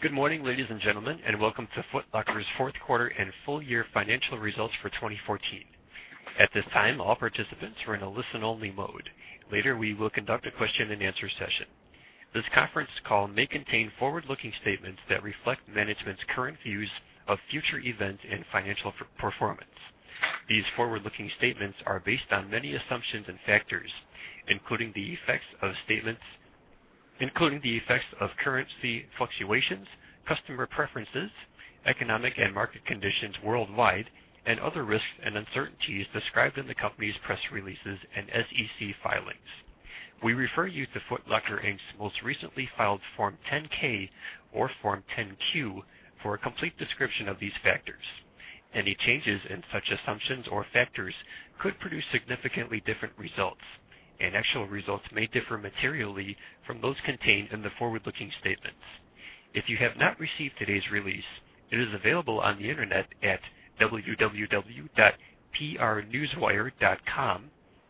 Good morning, ladies and gentlemen, welcome to Foot Locker's fourth quarter and full year financial results for 2014. At this time, all participants are in a listen only mode. Later, we will conduct a question and answer session. This conference call may contain forward-looking statements that reflect management's current views of future events and financial performance. These forward-looking statements are based on many assumptions and factors, including the effects of currency fluctuations, customer preferences, economic and market conditions worldwide, and other risks and uncertainties described in the company's press releases and SEC filings. We refer you to Foot Locker, Inc.'s most recently filed Form 10-K or Form 10-Q for a complete description of these factors. Any changes in such assumptions or factors could produce significantly different results, and actual results may differ materially from those contained in the forward-looking statements. If you have not received today's release, it is available on the Internet at www.prnewswire.com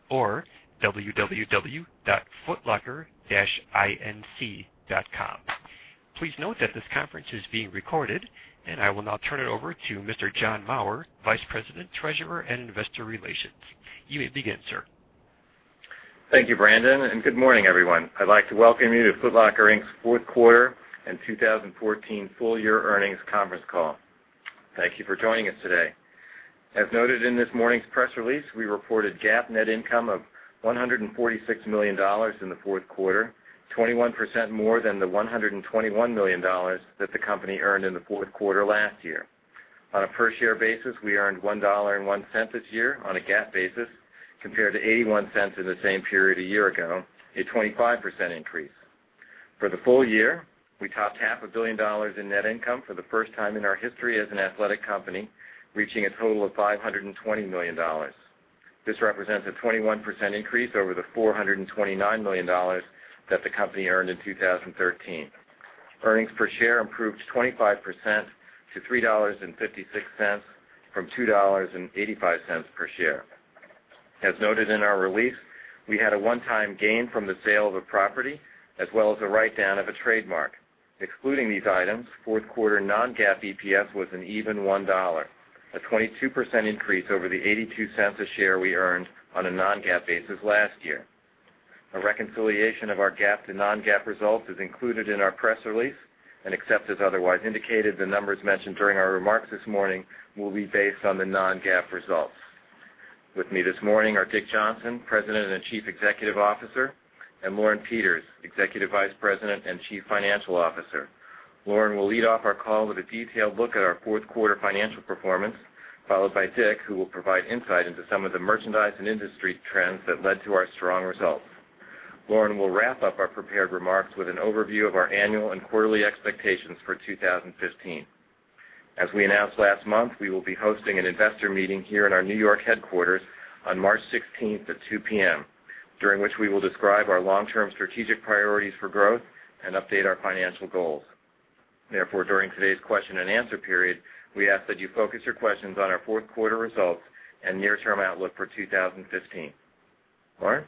or www.footlocker-inc.com. Please note that this conference is being recorded, I will now turn it over to Mr. John Maurer, Vice President, Treasurer, and Investor Relations. You may begin, sir. Thank you, Brandon. Good morning, everyone. I'd like to welcome you to Foot Locker, Inc.'s fourth quarter and 2014 full year earnings conference call. Thank you for joining us today. As noted in this morning's press release, we reported GAAP net income of $146 million in the fourth quarter, 21% more than the $121 million that the company earned in the fourth quarter last year. On a per share basis, we earned $1.01 this year on a GAAP basis, compared to $0.81 in the same period a year ago, a 25% increase. For the full year, we topped half a billion dollars in net income for the first time in our history as an athletic company, reaching a total of $520 million. This represents a 21% increase over the $429 million that the company earned in 2013. Earnings per share improved 25% to $3.56 from $2.85 per share. As noted in our release, we had a one-time gain from the sale of a property, as well as the write-down of a trademark. Excluding these items, fourth quarter non-GAAP EPS was an even $1.00, a 22% increase over the $0.82 a share we earned on a non-GAAP basis last year. A reconciliation of our GAAP to non-GAAP results is included in our press release. Except as otherwise indicated, the numbers mentioned during our remarks this morning will be based on the non-GAAP results. With me this morning are Dick Johnson, President and Chief Executive Officer, and Lauren Peters, Executive Vice President and Chief Financial Officer. Lauren will lead off our call with a detailed look at our fourth quarter financial performance, followed by Dick, who will provide insight into some of the merchandise and industry trends that led to our strong results. Lauren will wrap up our prepared remarks with an overview of our annual and quarterly expectations for 2015. As we announced last month, we will be hosting an investor meeting here in our New York headquarters on March 16th at 2:00 P.M., during which we will describe our long-term strategic priorities for growth and update our financial goals. During today's question and answer period, we ask that you focus your questions on our fourth quarter results and near-term outlook for 2015. Lauren?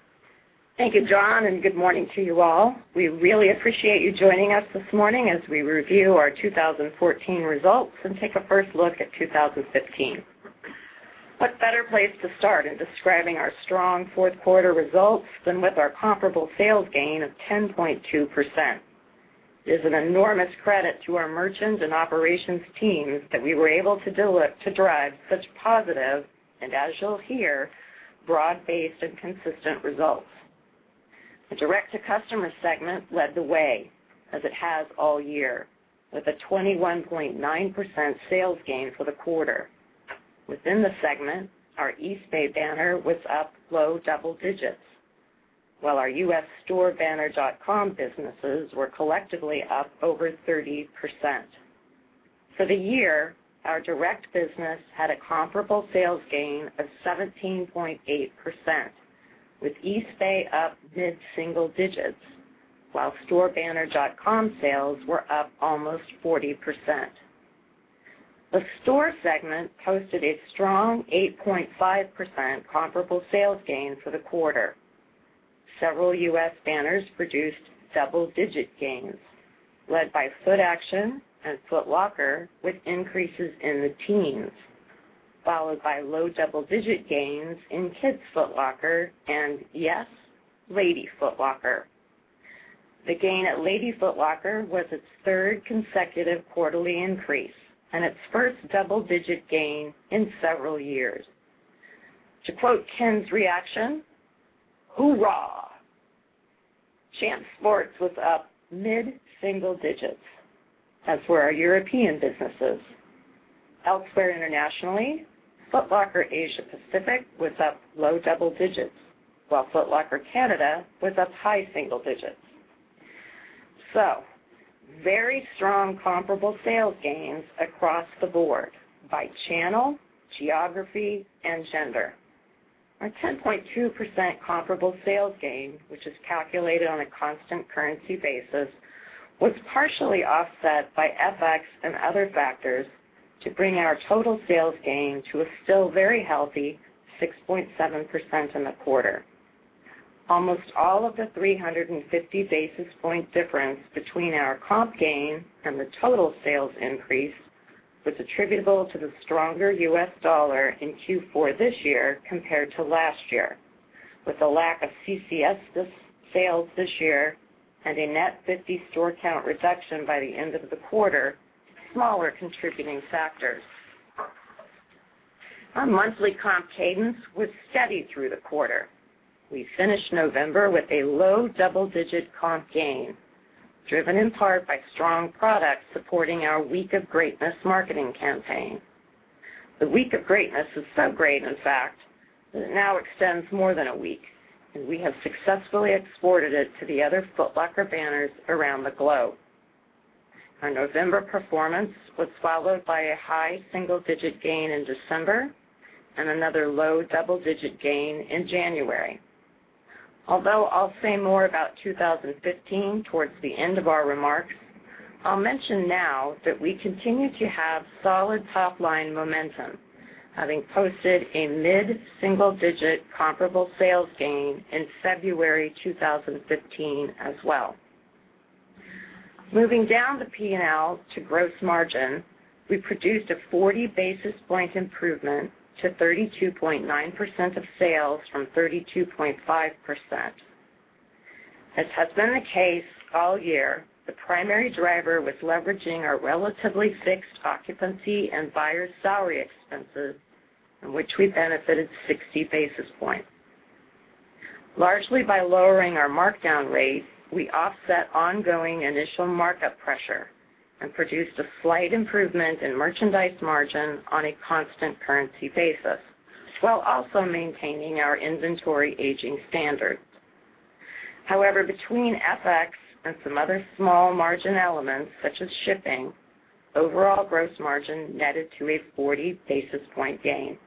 Thank you, John, good morning to you all. We really appreciate you joining us this morning as we review our 2014 results and take a first look at 2015. What better place to start in describing our strong fourth quarter results than with our comparable sales gain of 10.2%? It is an enormous credit to our merchant and operations teams that we were able to drive such positive, and as you'll hear, broad-based and consistent results. The direct-to-customer segment led the way, as it has all year, with a 21.9% sales gain for the quarter. Within the segment, our Eastbay banner was up low double digits, while our U.S. store banner.com businesses were collectively up over 30%. For the year, our direct business had a comparable sales gain of 17.8%, with Eastbay up mid-single digits, while store banner.com sales were up almost 40%. The store segment posted a strong 8.5% comparable sales gain for the quarter. Several U.S. banners produced double-digit gains, led by Footaction and Foot Locker, with increases in the teens, followed by low double-digit gains in Kids Foot Locker and yes, Lady Foot Locker. The gain at Lady Foot Locker was its third consecutive quarterly increase and its first double-digit gain in several years. To quote Ken's reaction, "Hoorah." Champs Sports was up mid-single digits, as were our European businesses. Elsewhere internationally, Foot Locker Asia Pacific was up low double digits, while Foot Locker Canada was up high single digits. Very strong comparable sales gains across the board by channel, geography, and gender. Our 10.2% comparable sales gain, which is calculated on a constant currency basis, was partially offset by FX and other factors to bring our total sales gain to a still very healthy 6.7% in the quarter. Almost all of the 350 basis point difference between our comp gain and the total sales increase was attributable to the stronger U.S. dollar in Q4 this year compared to last year, with a lack of CCS sales this year and a net 50 store count reduction by the end of the quarter, smaller contributing factors. Our monthly comp cadence was steady through the quarter. We finished November with a low double-digit comp gain, driven in part by strong products supporting our Week of Greatness marketing campaign. The Week of Greatness is so great, in fact, that it now extends more than a week. We have successfully exported it to the other Foot Locker banners around the globe. Our November performance was followed by a high single-digit gain in December and another low double-digit gain in January. Although I will say more about 2015 towards the end of our remarks, I will mention now that we continue to have solid top-line momentum, having posted a mid-single-digit comparable sales gain in February 2015 as well. Moving down the P&L to gross margin, we produced a 40 basis point improvement to 32.9% of sales from 32.5%. As has been the case all year, the primary driver was leveraging our relatively fixed occupancy and buyers' salary expenses, from which we benefited 60 basis points. Largely by lowering our markdown rate, we offset ongoing initial markup pressure and produced a slight improvement in merchandise margin on a constant currency basis, while also maintaining our inventory aging standards. Between FX and some other small margin elements, such as shipping, overall gross margin netted to a 40 basis point gain.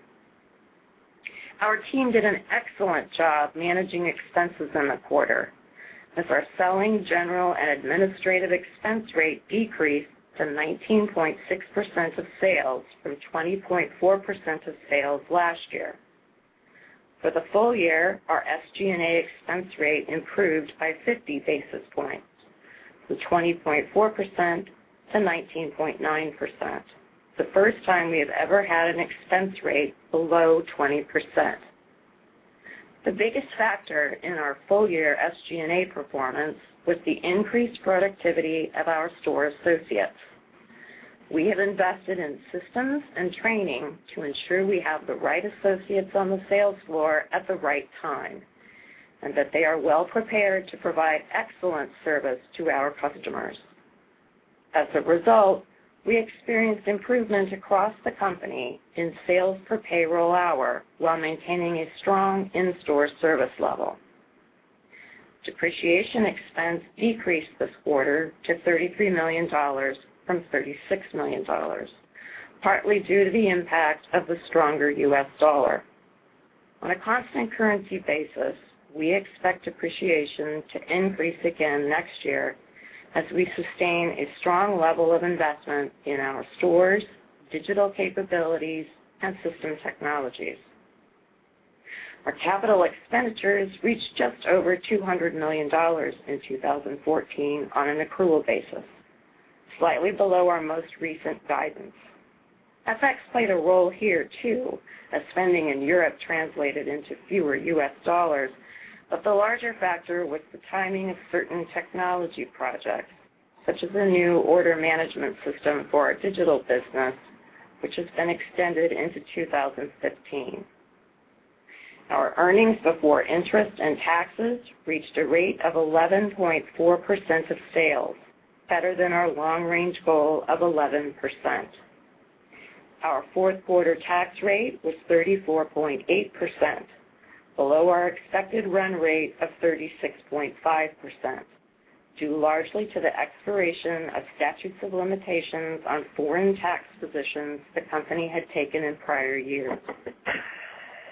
Our team did an excellent job managing expenses in the quarter, as our selling, general, and administrative expense rate decreased to 19.6% of sales from 20.4% of sales last year. For the full year, our SG&A expense rate improved by 50 basis points from 20.4% to 19.9%, the first time we have ever had an expense rate below 20%. The biggest factor in our full-year SG&A performance was the increased productivity of our store associates. We have invested in systems and training to ensure we have the right associates on the sales floor at the right time. They are well prepared to provide excellent service to our customers. As a result, we experienced improvement across the company in sales per payroll hour while maintaining a strong in-store service level. Depreciation expense decreased this quarter to $33 million from $36 million, partly due to the impact of the stronger US dollar. On a constant currency basis, we expect depreciation to increase again next year as we sustain a strong level of investment in our stores, digital capabilities, and system technologies. Our capital expenditures reached just over $200 million in 2014 on an accrual basis, slightly below our most recent guidance. FX played a role here too, as spending in Europe translated into fewer US dollars. The larger factor was the timing of certain technology projects, such as the new order management system for our digital business, which has been extended into 2015. Our earnings before interest and taxes reached a rate of 11.4% of sales, better than our long-range goal of 11%. Our fourth quarter tax rate was 34.8%, below our expected run rate of 36.5%, due largely to the expiration of statutes of limitations on foreign tax positions the company had taken in prior years.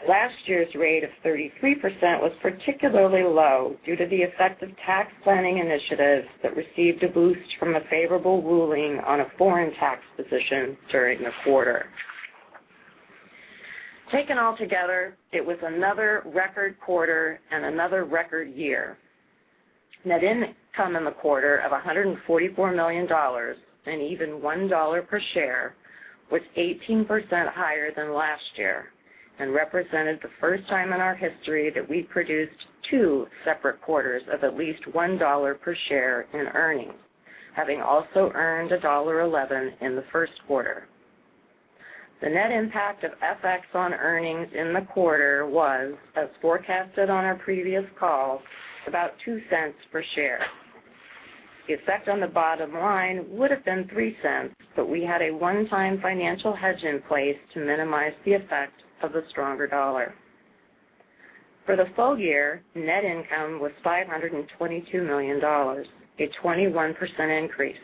Last year's rate of 33% was particularly low due to the effective tax planning initiatives that received a boost from a favorable ruling on a foreign tax position during the quarter. Taken all together, it was another record quarter and another record year. Net income in the quarter of $144 million, and even $1 per share, was 18% higher than last year and represented the first time in our history that we produced two separate quarters of at least $1 per share in earnings, having also earned $1.11 in the first quarter. The net impact of FX on earnings in the quarter was, as forecasted on our previous call, about $0.02 per share. The effect on the bottom line would have been $0.03, but we had a one-time financial hedge in place to minimize the effect of the stronger dollar. For the full year, net income was $522 million, a 21% increase.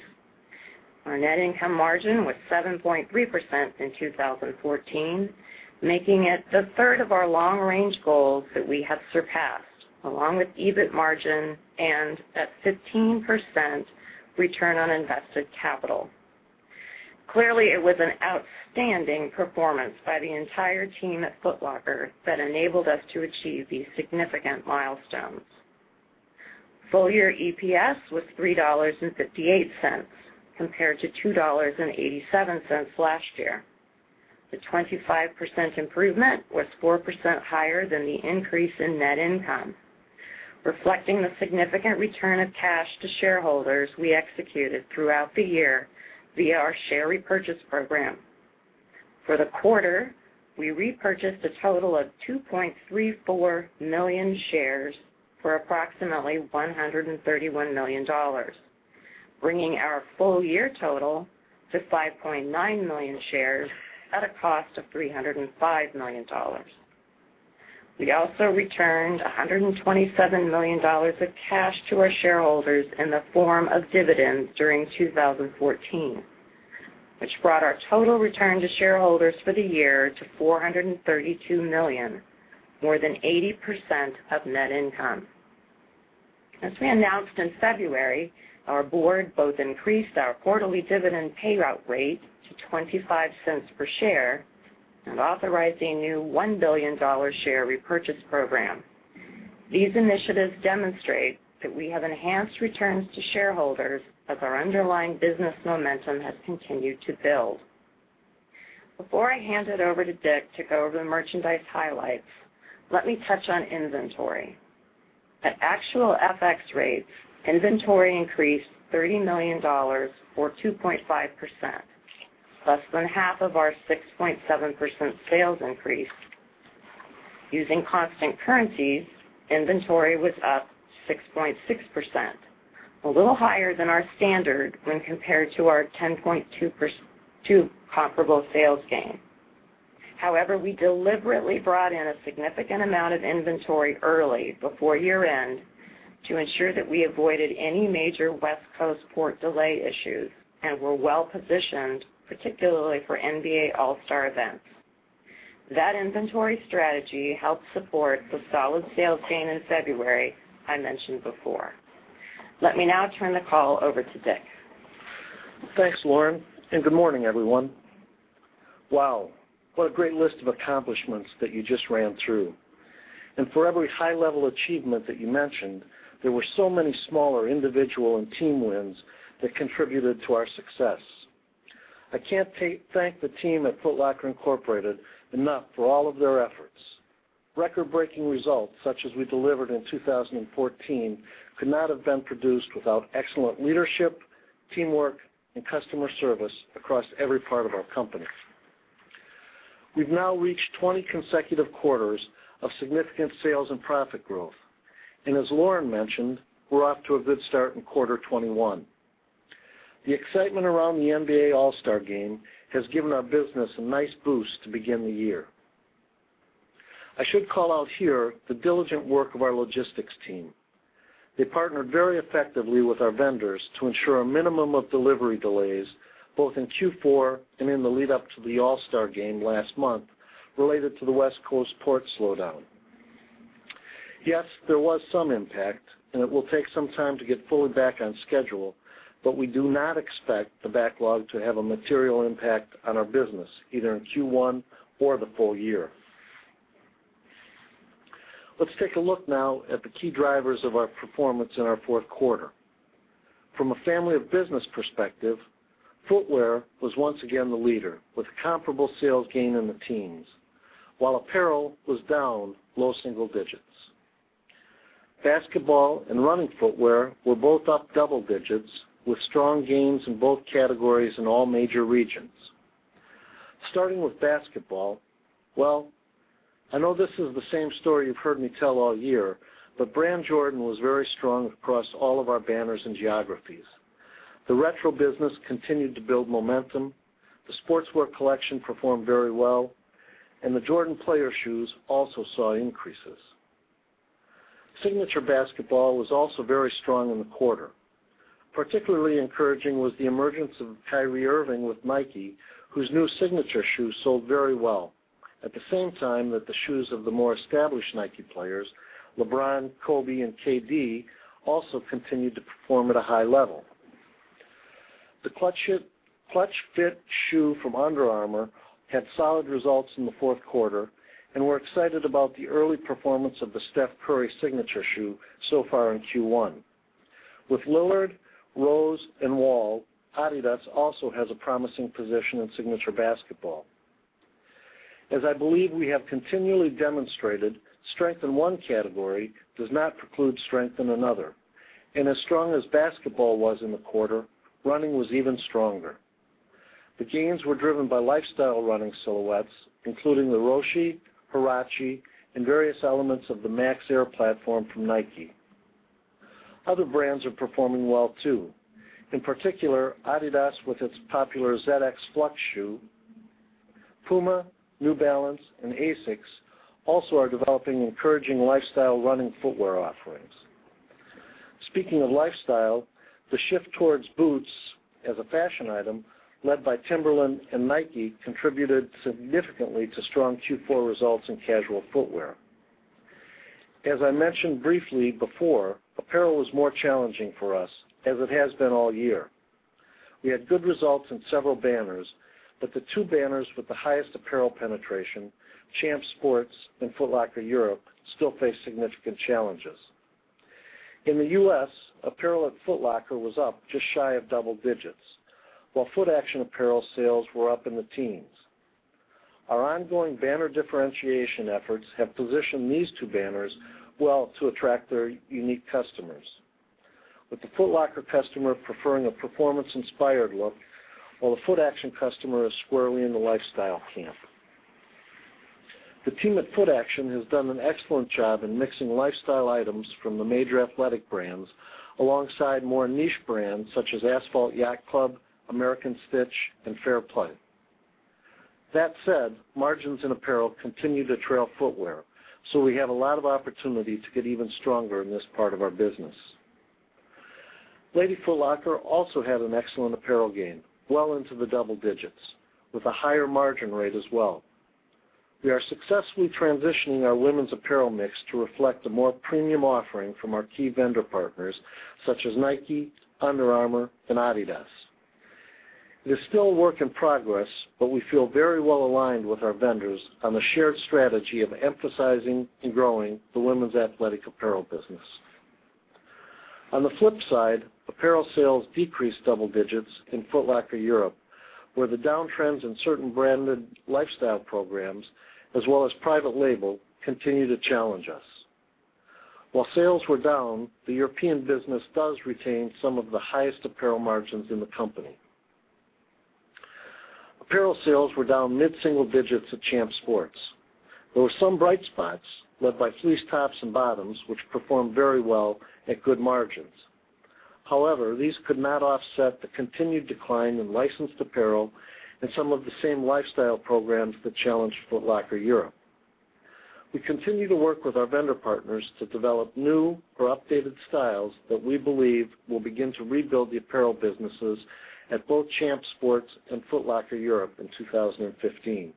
Our net income margin was 7.3% in 2014, making it the third of our long-range goals that we have surpassed, along with EBIT margin and, at 15%, return on invested capital. Clearly, it was an outstanding performance by the entire team at Foot Locker that enabled us to achieve these significant milestones. Full-year EPS was $3.58, compared to $2.87 last year. The 25% improvement was 4% higher than the increase in net income, reflecting the significant return of cash to shareholders we executed throughout the year via our share repurchase program. For the quarter, we repurchased a total of 2.34 million shares for approximately $131 million, bringing our full-year total to 5.9 million shares at a cost of $305 million. We also returned $127 million of cash to our shareholders in the form of dividends during 2014, which brought our total return to shareholders for the year to $432 million, more than 80% of net income. As we announced in February, our board both increased our quarterly dividend payout rate to $0.25 per share and authorized a new $1 billion share repurchase program. These initiatives demonstrate that we have enhanced returns to shareholders as our underlying business momentum has continued to build. Before I hand it over to Dick to go over the merchandise highlights, let me touch on inventory. At actual FX rates, inventory increased $30 million or 2.5%, less than half of our 6.7% sales increase. Using constant currencies, inventory was up 6.6%, a little higher than our standard when compared to our 10.2% comparable sales gain. However, we deliberately brought in a significant amount of inventory early, before year-end, to ensure that we avoided any major West Coast port delay issues and were well-positioned, particularly for NBA All-Star events. That inventory strategy helped support the solid sales gain in February I mentioned before. Let me now turn the call over to Dick. Thanks, Lauren, good morning, everyone. Wow, what a great list of accomplishments that you just ran through. For every high-level achievement that you mentioned, there were so many smaller individual and team wins that contributed to our success. I can't thank the team at Foot Locker, Inc. enough for all of their efforts. Record-breaking results such as we delivered in 2014 could not have been produced without excellent leadership, teamwork, and customer service across every part of our company. We've now reached 20 consecutive quarters of significant sales and profit growth. As Lauren mentioned, we're off to a good start in quarter 21. The excitement around the NBA All-Star Game has given our business a nice boost to begin the year. I should call out here the diligent work of our logistics team. They partnered very effectively with our vendors to ensure a minimum of delivery delays, both in Q4 and in the lead-up to the All-Star Game last month related to the West Coast port slowdown. Yes, there was some impact, it will take some time to get fully back on schedule, but we do not expect the backlog to have a material impact on our business, either in Q1 or the full year. Let's take a look now at the key drivers of our performance in our fourth quarter. From a family of business perspective, footwear was once again the leader with a comparable sales gain in the teens, while apparel was down low single digits. Basketball and running footwear were both up double digits, with strong gains in both categories in all major regions. Starting with basketball, I know this is the same story you've heard me tell all year, but brand Jordan was very strong across all of our banners and geographies. The retro business continued to build momentum, the sportswear collection performed very well, the Jordan player shoes also saw increases. Signature basketball was also very strong in the quarter. Particularly encouraging was the emergence of Kyrie Irving with Nike, whose new signature shoes sold very well. At the same time that the shoes of the more established Nike players, LeBron, Kobe, and KD, also continued to perform at a high level. The ClutchFit shoe from Under Armour had solid results in the fourth quarter, we're excited about the early performance of the Steph Curry signature shoe so far in Q1. With Lillard, Rose, and Wall, Adidas also has a promising position in signature basketball. As I believe we have continually demonstrated, strength in one category does not preclude strength in another. As strong as basketball was in the quarter, running was even stronger. The gains were driven by lifestyle running silhouettes, including the Roshe, Huarache, and various elements of the Air Max platform from Nike. Other brands are performing well, too. In particular, Adidas with its popular ZX Flux shoe. Puma, New Balance, and ASICS also are developing encouraging lifestyle running footwear offerings. Speaking of lifestyle, the shift towards boots as a fashion item, led by Timberland and Nike, contributed significantly to strong Q4 results in casual footwear. As I mentioned briefly before, apparel was more challenging for us, as it has been all year. We had good results in several banners, but the two banners with the highest apparel penetration, Champs Sports and Foot Locker Europe, still face significant challenges. In the U.S., apparel at Foot Locker was up just shy of double digits, while Footaction apparel sales were up in the teens. Our ongoing banner differentiation efforts have positioned these two banners well to attract their unique customers. With the Foot Locker customer preferring a performance-inspired look, while the Footaction customer is squarely in the lifestyle camp. The team at Footaction has done an excellent job in mixing lifestyle items from the major athletic brands alongside more niche brands such as Asphalt Yacht Club, American Stitch and Fair Play. That said, margins in apparel continue to trail footwear. We have a lot of opportunity to get even stronger in this part of our business. Lady Foot Locker also had an excellent apparel gain, well into the double digits, with a higher margin rate as well. We are successfully transitioning our women's apparel mix to reflect a more premium offering from our key vendor partners such as Nike, Under Armour and Adidas. It is still a work in progress. We feel very well aligned with our vendors on the shared strategy of emphasizing and growing the women's athletic apparel business. On the flip side, apparel sales decreased double digits in Foot Locker Europe, where the downtrends in certain branded lifestyle programs, as well as private label, continue to challenge us. While sales were down, the European business does retain some of the highest apparel margins in the company. Apparel sales were down mid-single digits at Champs Sports. There were some bright spots led by fleece tops and bottoms, which performed very well at good margins. These could not offset the continued decline in licensed apparel and some of the same lifestyle programs that challenged Foot Locker Europe. We continue to work with our vendor partners to develop new or updated styles that we believe will begin to rebuild the apparel businesses at both Champs Sports and Foot Locker Europe in 2015.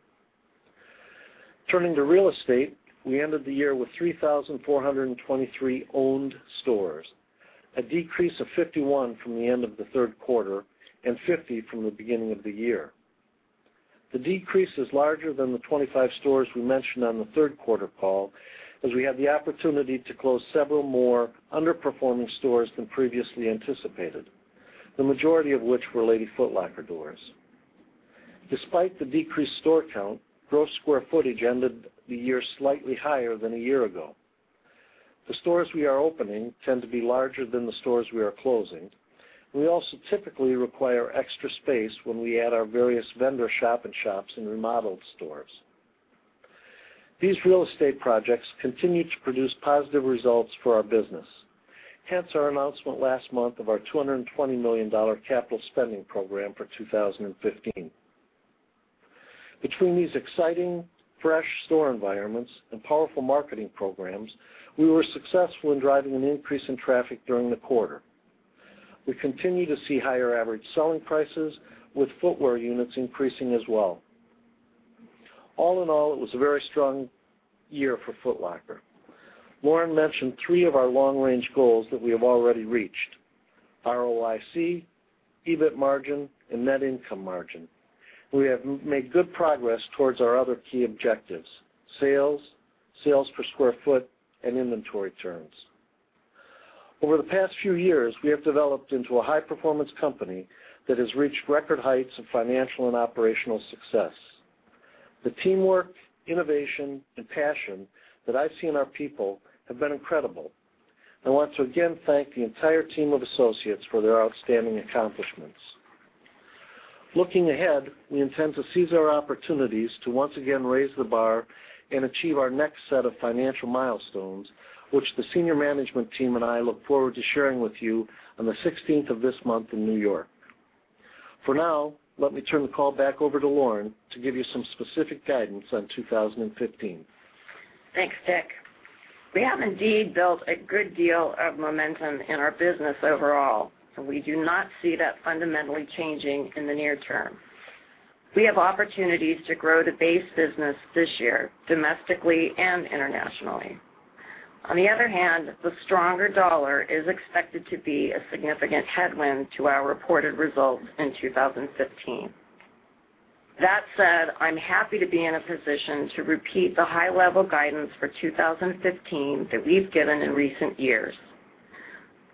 Turning to real estate, we ended the year with 3,423 owned stores, a decrease of 51 from the end of the third quarter and 50 from the beginning of the year. The decrease is larger than the 25 stores we mentioned on the third quarter call, as we had the opportunity to close several more underperforming stores than previously anticipated, the majority of which were Lady Foot Locker doors. Despite the decreased store count, gross square footage ended the year slightly higher than a year ago. The stores we are opening tend to be larger than the stores we are closing. We also typically require extra space when we add our various vendor shop-in-shops in remodeled stores. These real estate projects continue to produce positive results for our business. Our announcement last month of our $220 million capital spending program for 2015. Between these exciting fresh store environments and powerful marketing programs, we were successful in driving an increase in traffic during the quarter. We continue to see higher average selling prices, with footwear units increasing as well. All in all, it was a very strong year for Foot Locker. Lauren mentioned three of our long-range goals that we have already reached. ROIC, EBIT margin and net income margin. We have made good progress towards our other key objectives, sales per square foot, and inventory turns. Over the past few years, we have developed into a high-performance company that has reached record heights of financial and operational success. The teamwork, innovation and passion that I've seen our people have been incredible. I want to again thank the entire team of associates for their outstanding accomplishments. Looking ahead, we intend to seize our opportunities to once again raise the bar and achieve our next set of financial milestones, which the senior management team and I look forward to sharing with you on the 16th of this month in N.Y. For now, let me turn the call back over to Lauren to give you some specific guidance on 2015. Thanks, Dick. We have indeed built a good deal of momentum in our business overall. We do not see that fundamentally changing in the near term. We have opportunities to grow the base business this year, domestically and internationally. The stronger dollar is expected to be a significant headwind to our reported results in 2015. I'm happy to be in a position to repeat the high level guidance for 2015 that we've given in recent years.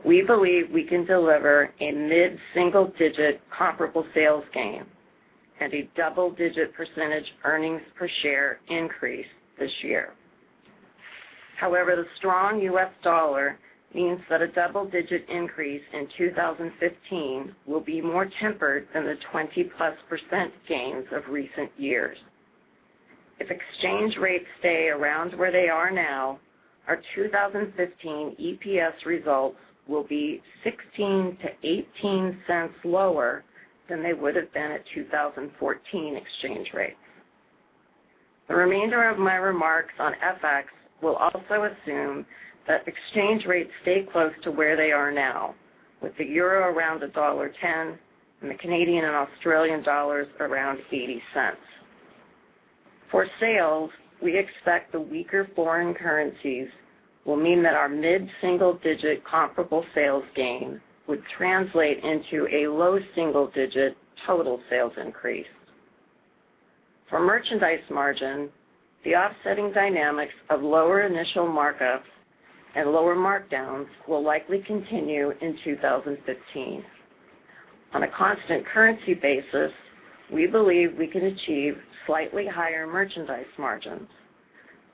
We believe we can deliver a mid-single-digit comparable sales gain and a double-digit percentage earnings per share increase this year. The strong U.S. dollar means that a double-digit increase in 2015 will be more tempered than the 20%+ gains of recent years. If exchange rates stay around where they are now, our 2015 EPS results will be $0.16-$0.18 lower than they would have been at 2014 exchange rates. The remainder of my remarks on FX will also assume that exchange rates stay close to where they are now, with the EUR around $1.10 and the CAD and AUD around $0.80. For sales, we expect the weaker foreign currencies will mean that our mid-single-digit comparable sales gain would translate into a low single-digit total sales increase. For merchandise margin, the offsetting dynamics of lower initial markups and lower markdowns will likely continue in 2015. On a constant currency basis, we believe we can achieve slightly higher merchandise margins.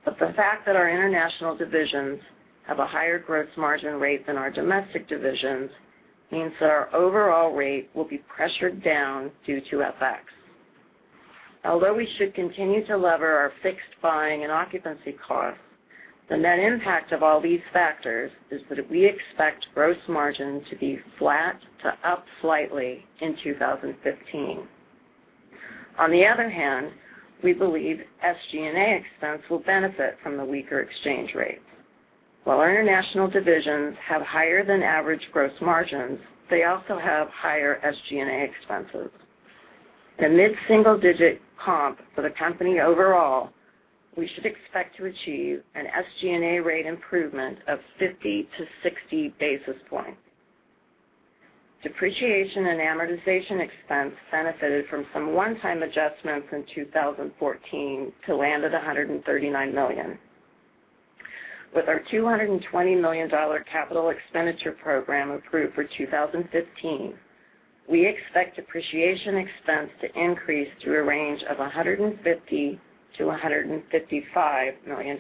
The fact that our international divisions have a higher gross margin rate than our domestic divisions means that our overall rate will be pressured down due to FX. We should continue to lever our fixed buying and occupancy costs. The net impact of all these factors is that we expect gross margin to be flat to up slightly in 2015. We believe SG&A expense will benefit from the weaker exchange rates. While our international divisions have higher than average gross margins, they also have higher SG&A expenses. The mid-single-digit comp for the company overall, we should expect to achieve an SG&A rate improvement of 50 to 60 basis points. Depreciation and amortization expense benefited from some one-time adjustments in 2014 to land at $139 million. With our $220 million capital expenditure program approved for 2015, we expect depreciation expense to increase through a range of $150 million-$155 million.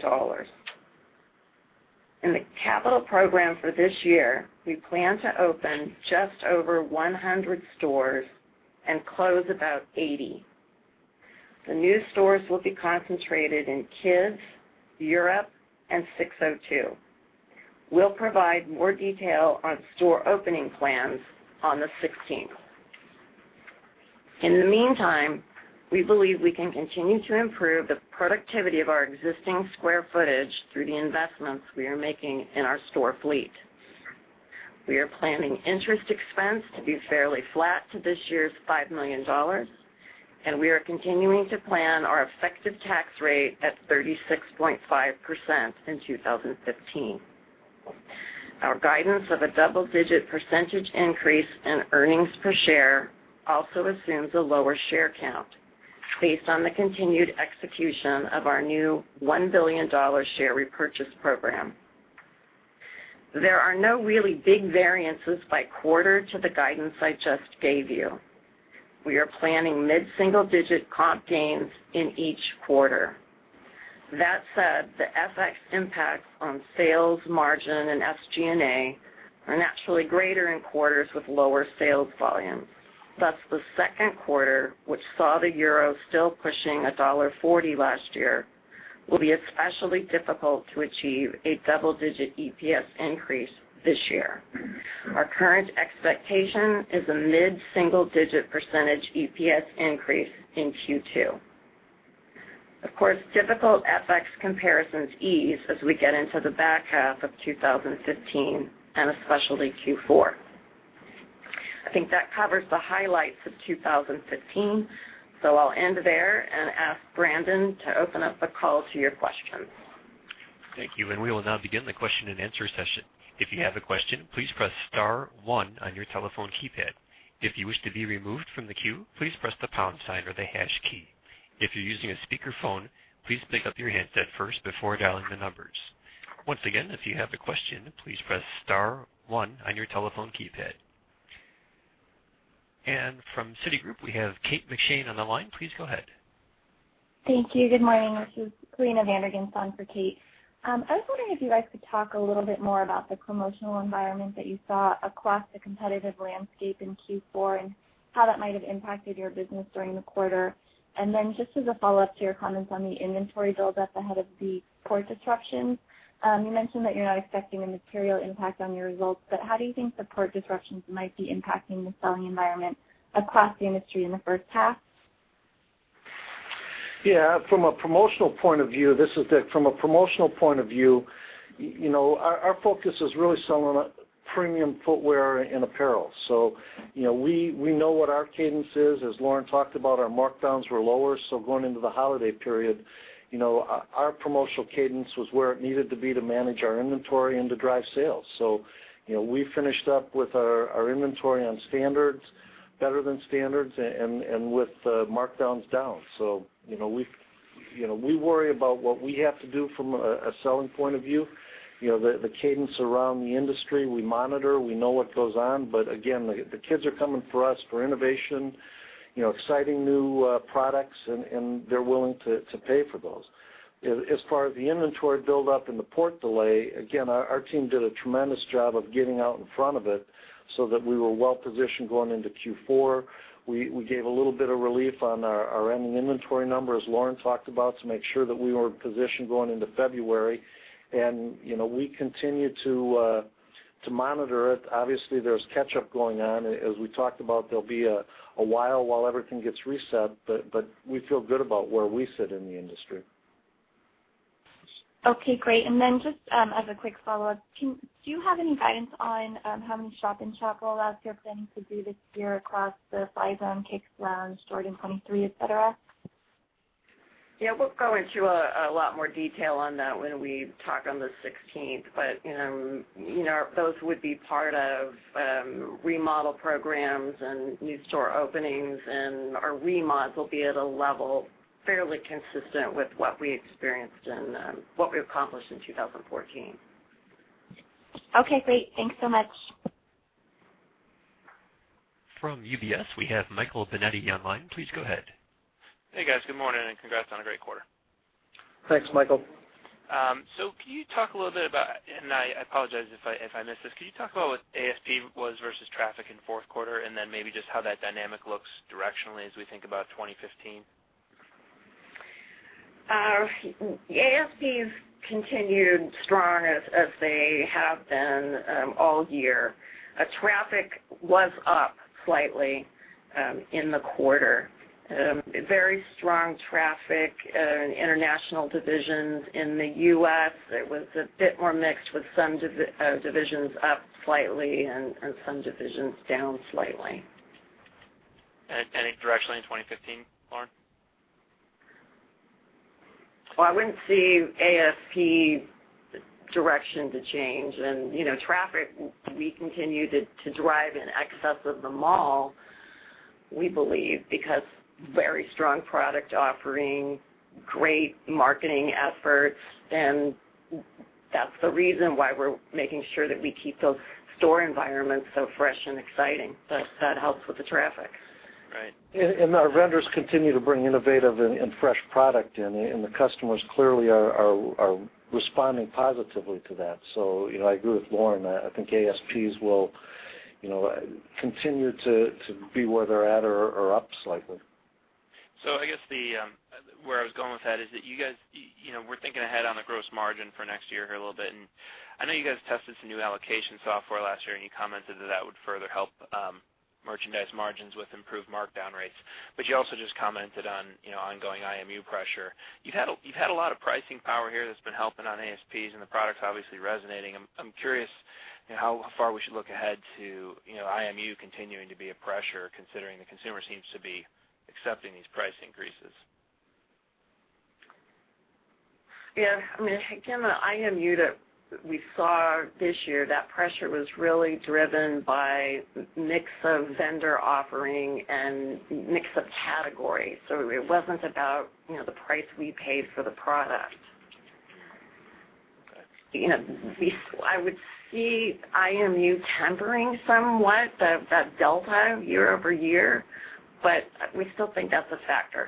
In the capital program for this year, we plan to open just over 100 stores and close about 80. The new stores will be concentrated in Kids, Europe, and SIX:02. We'll provide more detail on store opening plans on the 16th. In the meantime, we believe we can continue to improve the productivity of our existing square footage through the investments we are making in our store fleet. We are planning interest expense to be fairly flat to this year's $5 million, and we are continuing to plan our effective tax rate at 36.5% in 2015. Our guidance of a double-digit % increase in earnings per share also assumes a lower share count based on the continued execution of our new $1 billion share repurchase program. There are no really big variances by quarter to the guidance I just gave you. We are planning mid-single-digit comp gains in each quarter. That said, the FX impacts on sales, margin, and SG&A are naturally greater in quarters with lower sales volumes. The second quarter, which saw the euro still pushing $1.40 last year, will be especially difficult to achieve a double-digit EPS increase this year. Our current expectation is a mid-single-digit % EPS increase in Q2. Of course, difficult FX comparisons ease as we get into the back half of 2015, and especially Q4. I think that covers the highlights of 2015. I'll end there and ask Brandon to open up the call to your questions. Thank you. We will now begin the question and answer session. If you have a question, please press *1 on your telephone keypad. If you wish to be removed from the queue, please press the pound sign or the hash key. If you're using a speakerphone, please pick up your handset first before dialing the numbers. Once again, if you have a question, please press *1 on your telephone keypad. From Citigroup, we have Kate McShane on the line. Please go ahead. Thank you. Good morning. This is Corrina Van Der Ghinst on for Kate. I was wondering if you guys could talk a little bit more about the promotional environment that you saw across the competitive landscape in Q4 and how that might have impacted your business during the quarter. Just as a follow-up to your comments on the inventory buildup ahead of the port disruptions, you mentioned that you're not expecting a material impact on your results, but how do you think the port disruptions might be impacting the selling environment across the industry in the first half? Yeah. From a promotional point of view, our focus is really selling premium footwear and apparel. We know what our cadence is. As Lauren Peters talked about, our markdowns were lower. Going into the holiday period, our promotional cadence was where it needed to be to manage our inventory and to drive sales. We finished up with our inventory on standards, better than standards, and with markdowns down. We worry about what we have to do from a selling point of view. The cadence around the industry, we monitor, we know what goes on, but again, the kids are coming to us for innovation, exciting new products, and they're willing to pay for those. As far as the inventory buildup and the port delay, again, our team did a tremendous job of getting out in front of it so that we were well positioned going into Q4. We gave a little bit of relief on our ending inventory numbers, Lauren Peters talked about, to make sure that we were positioned going into February. We continue to monitor it. Obviously, there's catch-up going on. As we talked about, there'll be a while while everything gets reset, we feel good about where we sit in the industry. Okay, great. Just as a quick follow-up, do you have any guidance on how many shop in shop rollouts you're planning to do this year across the Fly Zone, Kicks Lounge, Jordan 23, et cetera? Yeah. We'll go into a lot more detail on that when we talk on the 16th. Those would be part of remodel programs and new store openings, our remodels will be at a level fairly consistent with what we accomplished in 2014. Okay, great. Thanks so much. From UBS, we have Michael Binetti on the line. Please go ahead. Hey, guys. Good morning. Congrats on a great quarter. Thanks, Michael. Can you talk a little bit about, and I apologize if I miss this, can you talk about what ASP was versus traffic in fourth quarter and then maybe just how that dynamic looks directionally as we think about 2015? ASPs continued strong as they have been all year. Traffic was up slightly in the quarter. Very strong traffic in international divisions. In the U.S., it was a bit more mixed with some divisions up slightly and some divisions down slightly. Any directionally in 2015, Lauren? Well, I wouldn't see ASP direction to change. Traffic, we continue to drive in excess of the mall, we believe, because very strong product offering, great marketing efforts, and that's the reason why we're making sure that we keep those store environments so fresh and exciting. That helps with the traffic. Right. Our vendors continue to bring innovative and fresh product in, and the customers clearly are responding positively to that. I agree with Lauren Peters. I think ASPs will continue to be where they're at or up slightly. I guess where I was going with that is that we're thinking ahead on the gross margin for next year here a little bit. I know you tested some new allocation software last year, and you commented that that would further help merchandise margins with improved markdown rates. You also just commented on ongoing IMU pressure. You've had a lot of pricing power here that's been helping on ASPs, and the product's obviously resonating. I'm curious how far we should look ahead to IMU continuing to be a pressure, considering the consumer seems to be accepting these price increases. Again, the IMU that we saw this year, that pressure was really driven by mix of vendor offering and mix of categories. It wasn't about the price we paid for the product. I would see IMU tempering somewhat that delta year-over-year, but we still think that's a factor.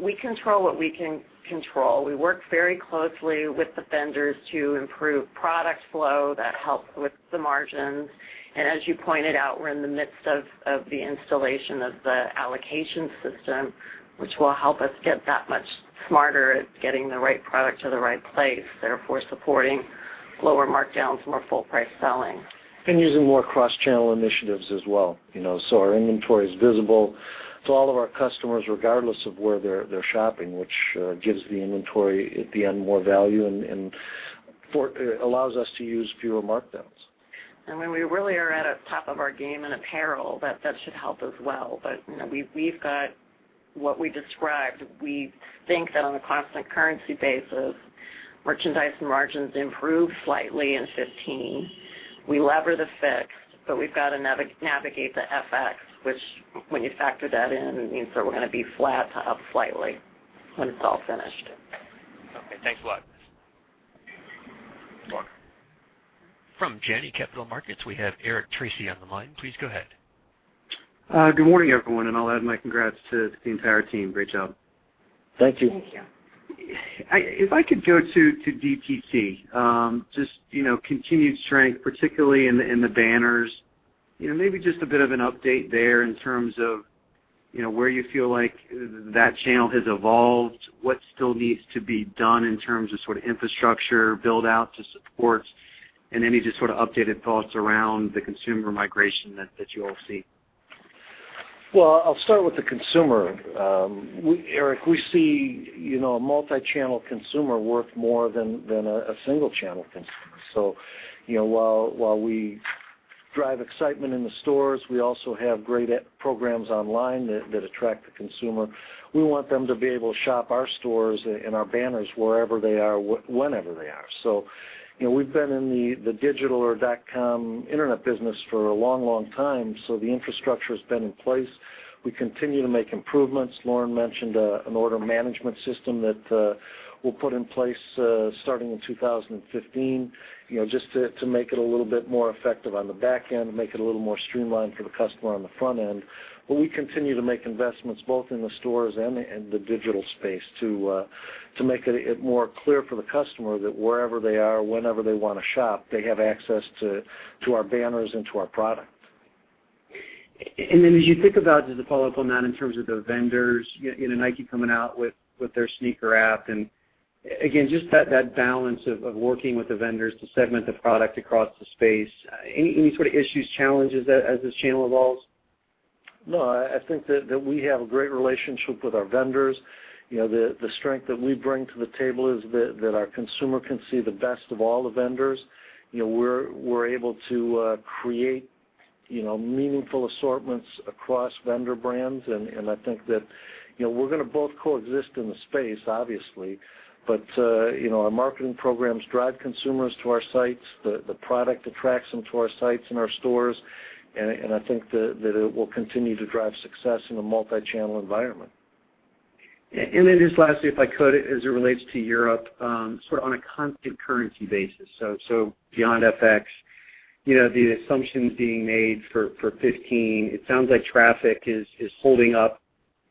We control what we can control. We work very closely with the vendors to improve product flow. That helps with the margins. As you pointed out, we're in the midst of the installation of the allocation system, which will help us get that much smarter at getting the right product to the right place, therefore supporting lower markdowns, more full price selling. Using more cross-channel initiatives as well. Our inventory is visible to all of our customers, regardless of where they're shopping, which gives the inventory at the end more value and allows us to use fewer markdowns. When we really are at a top of our game in apparel, that should help as well. We've got what we described. We think that on a constant currency basis, merchandising margins improve slightly in 2015. We lever the fixed, but we've got to navigate the FX, which when you factor that in, means that we're going to be flat to up slightly when it's all finished. Okay, thanks a lot. Welcome. From Janney Montgomery Scott, we have Eric Tracy on the line. Please go ahead. Good morning, everyone, and I'll add my congrats to the entire team. Great job. Thank you. Thank you. If I could go to DTC. Just continued strength, particularly in the banners. Maybe just a bit of an update there in terms of where you feel like that channel has evolved, what still needs to be done in terms of sort of infrastructure build-out to support, and any just sort of updated thoughts around the consumer migration that you all see. Well, I'll start with the consumer. Eric, we see a multi-channel consumer worth more than a single channel consumer. While we drive excitement in the stores, we also have great programs online that attract the consumer. We want them to be able to shop our stores and our banners wherever they are, whenever they are. We've been in the digital or dotcom internet business for a long time, so the infrastructure's been in place. We continue to make improvements. Lauren mentioned an order management system that we'll put in place starting in 2015, just to make it a little bit more effective on the back end and make it a little more streamlined for the customer on the front end. We continue to make investments both in the stores and the digital space to make it more clear for the customer that wherever they are, whenever they want to shop, they have access to our banners and to our product. As you think about, just to follow up on that in terms of the vendors, Nike coming out with their sneaker app, and again, just that balance of working with the vendors to segment the product across the space. Any sort of issues, challenges as this channel evolves? No, I think that we have a great relationship with our vendors. The strength that we bring to the table is that our consumer can see the best of all the vendors. We're able to create meaningful assortments across vendor brands, and I think that we're going to both coexist in the space, obviously. Our marketing programs drive consumers to our sites, the product attracts them to our sites and our stores, and I think that it will continue to drive success in a multi-channel environment. Just lastly, if I could, as it relates to Europe, sort of on a constant currency basis, so beyond FX. The assumptions being made for 2015, it sounds like traffic is holding up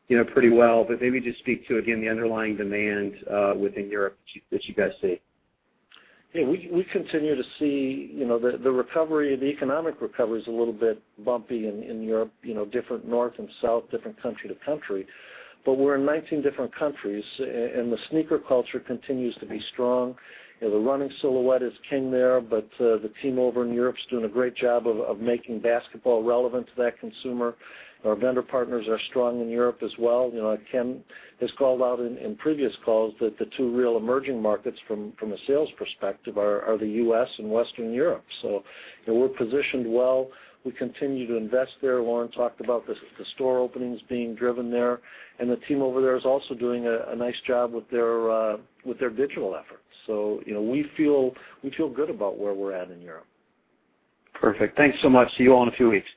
pretty well. Maybe just speak to, again, the underlying demand within Europe that you guys see. Yeah, we continue to see the economic recovery is a little bit bumpy in Europe, different north and south, different country to country. We're in 19 different countries, the sneaker culture continues to be strong. The running silhouette is king there, the team over in Europe's doing a great job of making basketball relevant to that consumer. Our vendor partners are strong in Europe as well. Ken has called out in previous calls that the two real emerging markets from a sales perspective are the U.S. and Western Europe. We're positioned well. We continue to invest there. Lauren talked about the store openings being driven there. The team over there is also doing a nice job with their digital efforts. We feel good about where we're at in Europe. Perfect. Thanks so much. See you all in a few weeks. Thanks,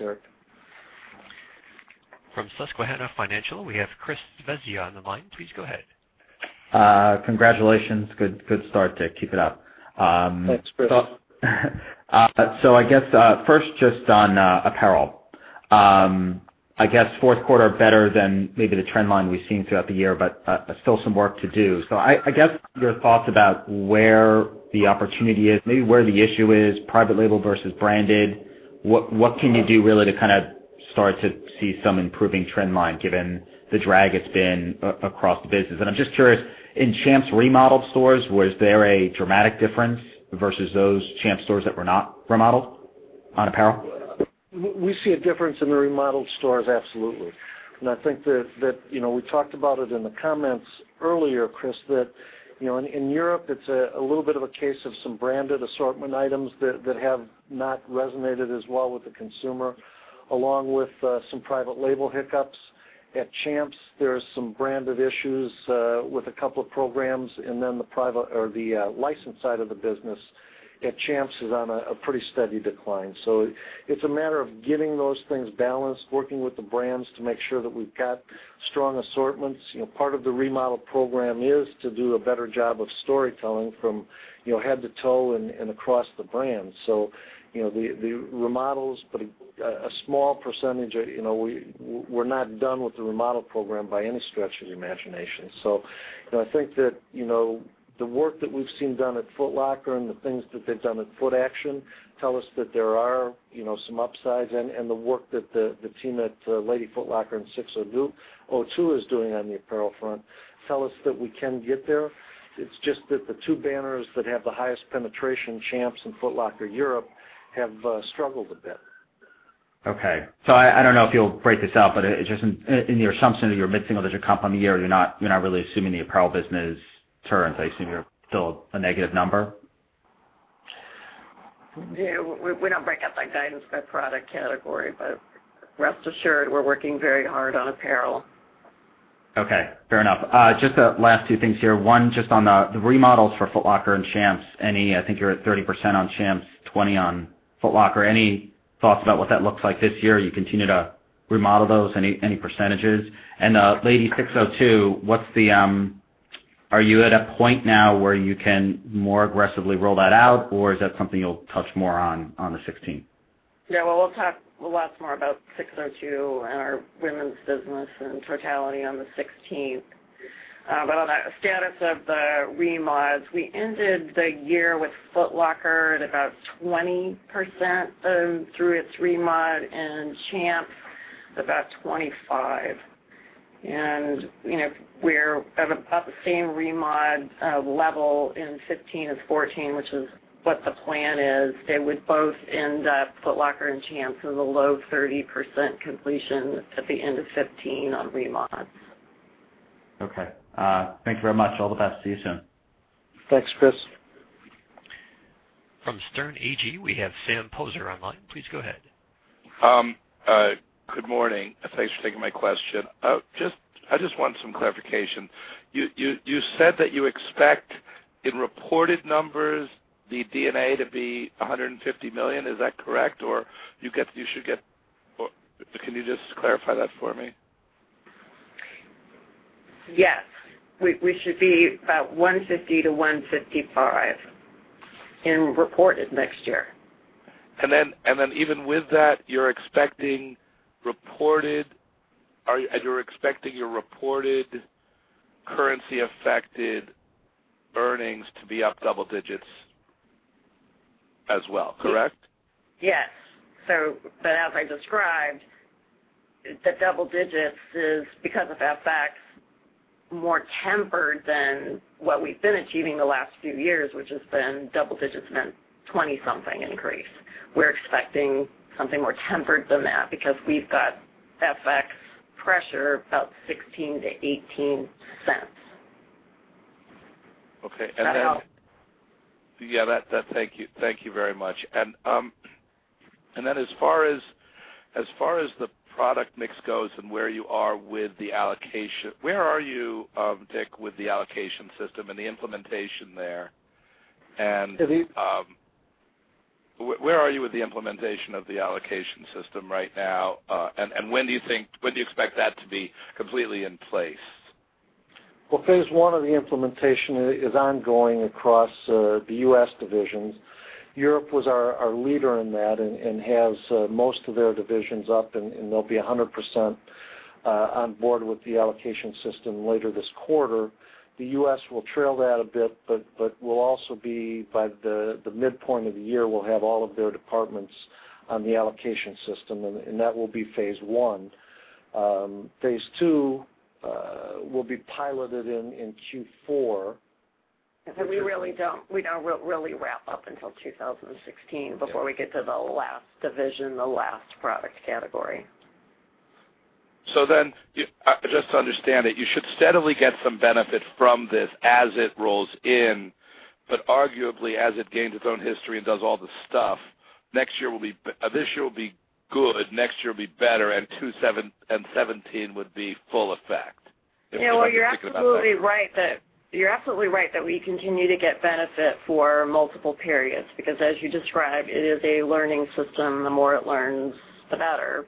Eric. From Susquehanna Financial, we have Chris Svezia on the line. Please go ahead. Congratulations. Good start, Dick. Keep it up. Thanks, Chris. I guess, first just on apparel. I guess fourth quarter better than maybe the trend line we've seen throughout the year, but still some work to do. I guess, your thoughts about where the opportunity is, maybe where the issue is, private label versus branded. What can you do, really, to kind of start to see some improving trend line, given the drag it's been across the business? I'm just curious, in Champs remodeled stores, was there a dramatic difference versus those Champs stores that were not remodeled on apparel? We see a difference in the remodeled stores, absolutely. I think that we talked about it in the comments earlier, Chris, that in Europe, it's a little bit of a case of some branded assortment items that have not resonated as well with the consumer, along with some private label hiccups. At Champs, there are some branded issues with a couple of programs, and then the licensed side of the business at Champs is on a pretty steady decline. It's a matter of getting those things balanced, working with the brands to make sure that we've got strong assortments. Part of the remodel program is to do a better job of storytelling from head to toe and across the brands. The remodels, but a small percentage. We're not done with the remodel program by any stretch of the imagination. I think that the work that we've seen done at Foot Locker and the things that they've done at Footaction tell us that there are some upsides. The work that the team at Lady Foot Locker and SIX:02 is doing on the apparel front tell us that we can get there. It's just that the two banners that have the highest penetration, Champs and Foot Locker Europe, have struggled a bit. Okay. I don't know if you'll break this out, but just in the assumption that you're mid-single digit comp on the year, you're not really assuming the apparel business turns. Are you assuming you're still a negative number? Yeah. We don't break out the guidance by product category, but rest assured, we're working very hard on apparel. Okay. Fair enough. Just last two things here. One, just on the remodels for Foot Locker and Champs. I think you're at 30% on Champs, 20 on Foot Locker. Any thoughts about what that looks like this year as you continue to remodel those? Any percentages? Lady SIX:02, are you at a point now where you can more aggressively roll that out, or is that something you'll touch more on the 16th? Yeah. Well, we'll talk lots more about SIX:02 and our women's business in totality on the 16th. On the status of the remodels, we ended the year with Foot Locker at about 20% through its remodel, and Champs about 25%. We're at about the same remodel level in 2015 as 2014, which is what the plan is. They would both end up, Foot Locker and Champs, in the low 30% completion at the end of 2015 on remodels. Okay. Thanks very much. All the best. See you soon. Thanks, Chris. From Sterne Agee, we have Sam Poser on the line. Please go ahead. Good morning. Thanks for taking my question. I just want some clarification. You said that you expect, in reported numbers, the D&A to be $150 million. Is that correct? Can you just clarify that for me? Yes. We should be about $150-$155 in reported next year. Even with that, you're expecting your reported currency affected earnings to be up double digits as well, correct? Yes. As I described, the double digits is because of FX, more tempered than what we've been achieving the last few years, which has been double digits meant 20-something increase. We're expecting something more tempered than that because we've got FX pressure about $0.16-$0.18. Okay. If that helps. Yeah. Thank you very much. Then as far as the product mix goes and where you are with the allocation, where are you, Dick, with the allocation system and the implementation there? The- Where are you with the implementation of the allocation system right now? When do you expect that to be completely in place? Well, phase 1 of the implementation is ongoing across the U.S. divisions. Europe was our leader in that and has most of their divisions up, and they'll be 100% on board with the allocation system later this quarter. The U.S. will trail that a bit, but by the midpoint of the year, we'll have all of their departments on the allocation system, and that will be phase 1. Phase 2 will be piloted in Q4. We don't really wrap up until 2016 before we get to the last division, the last product category. Just to understand it, you should steadily get some benefit from this as it rolls in, but arguably, as it gains its own history and does all this stuff, this year will be good, next year will be better, and 2017 would be full effect. Is that what you're thinking about that? You're absolutely right that we continue to get benefit for multiple periods because as you described, it is a learning system. The more it learns, the better.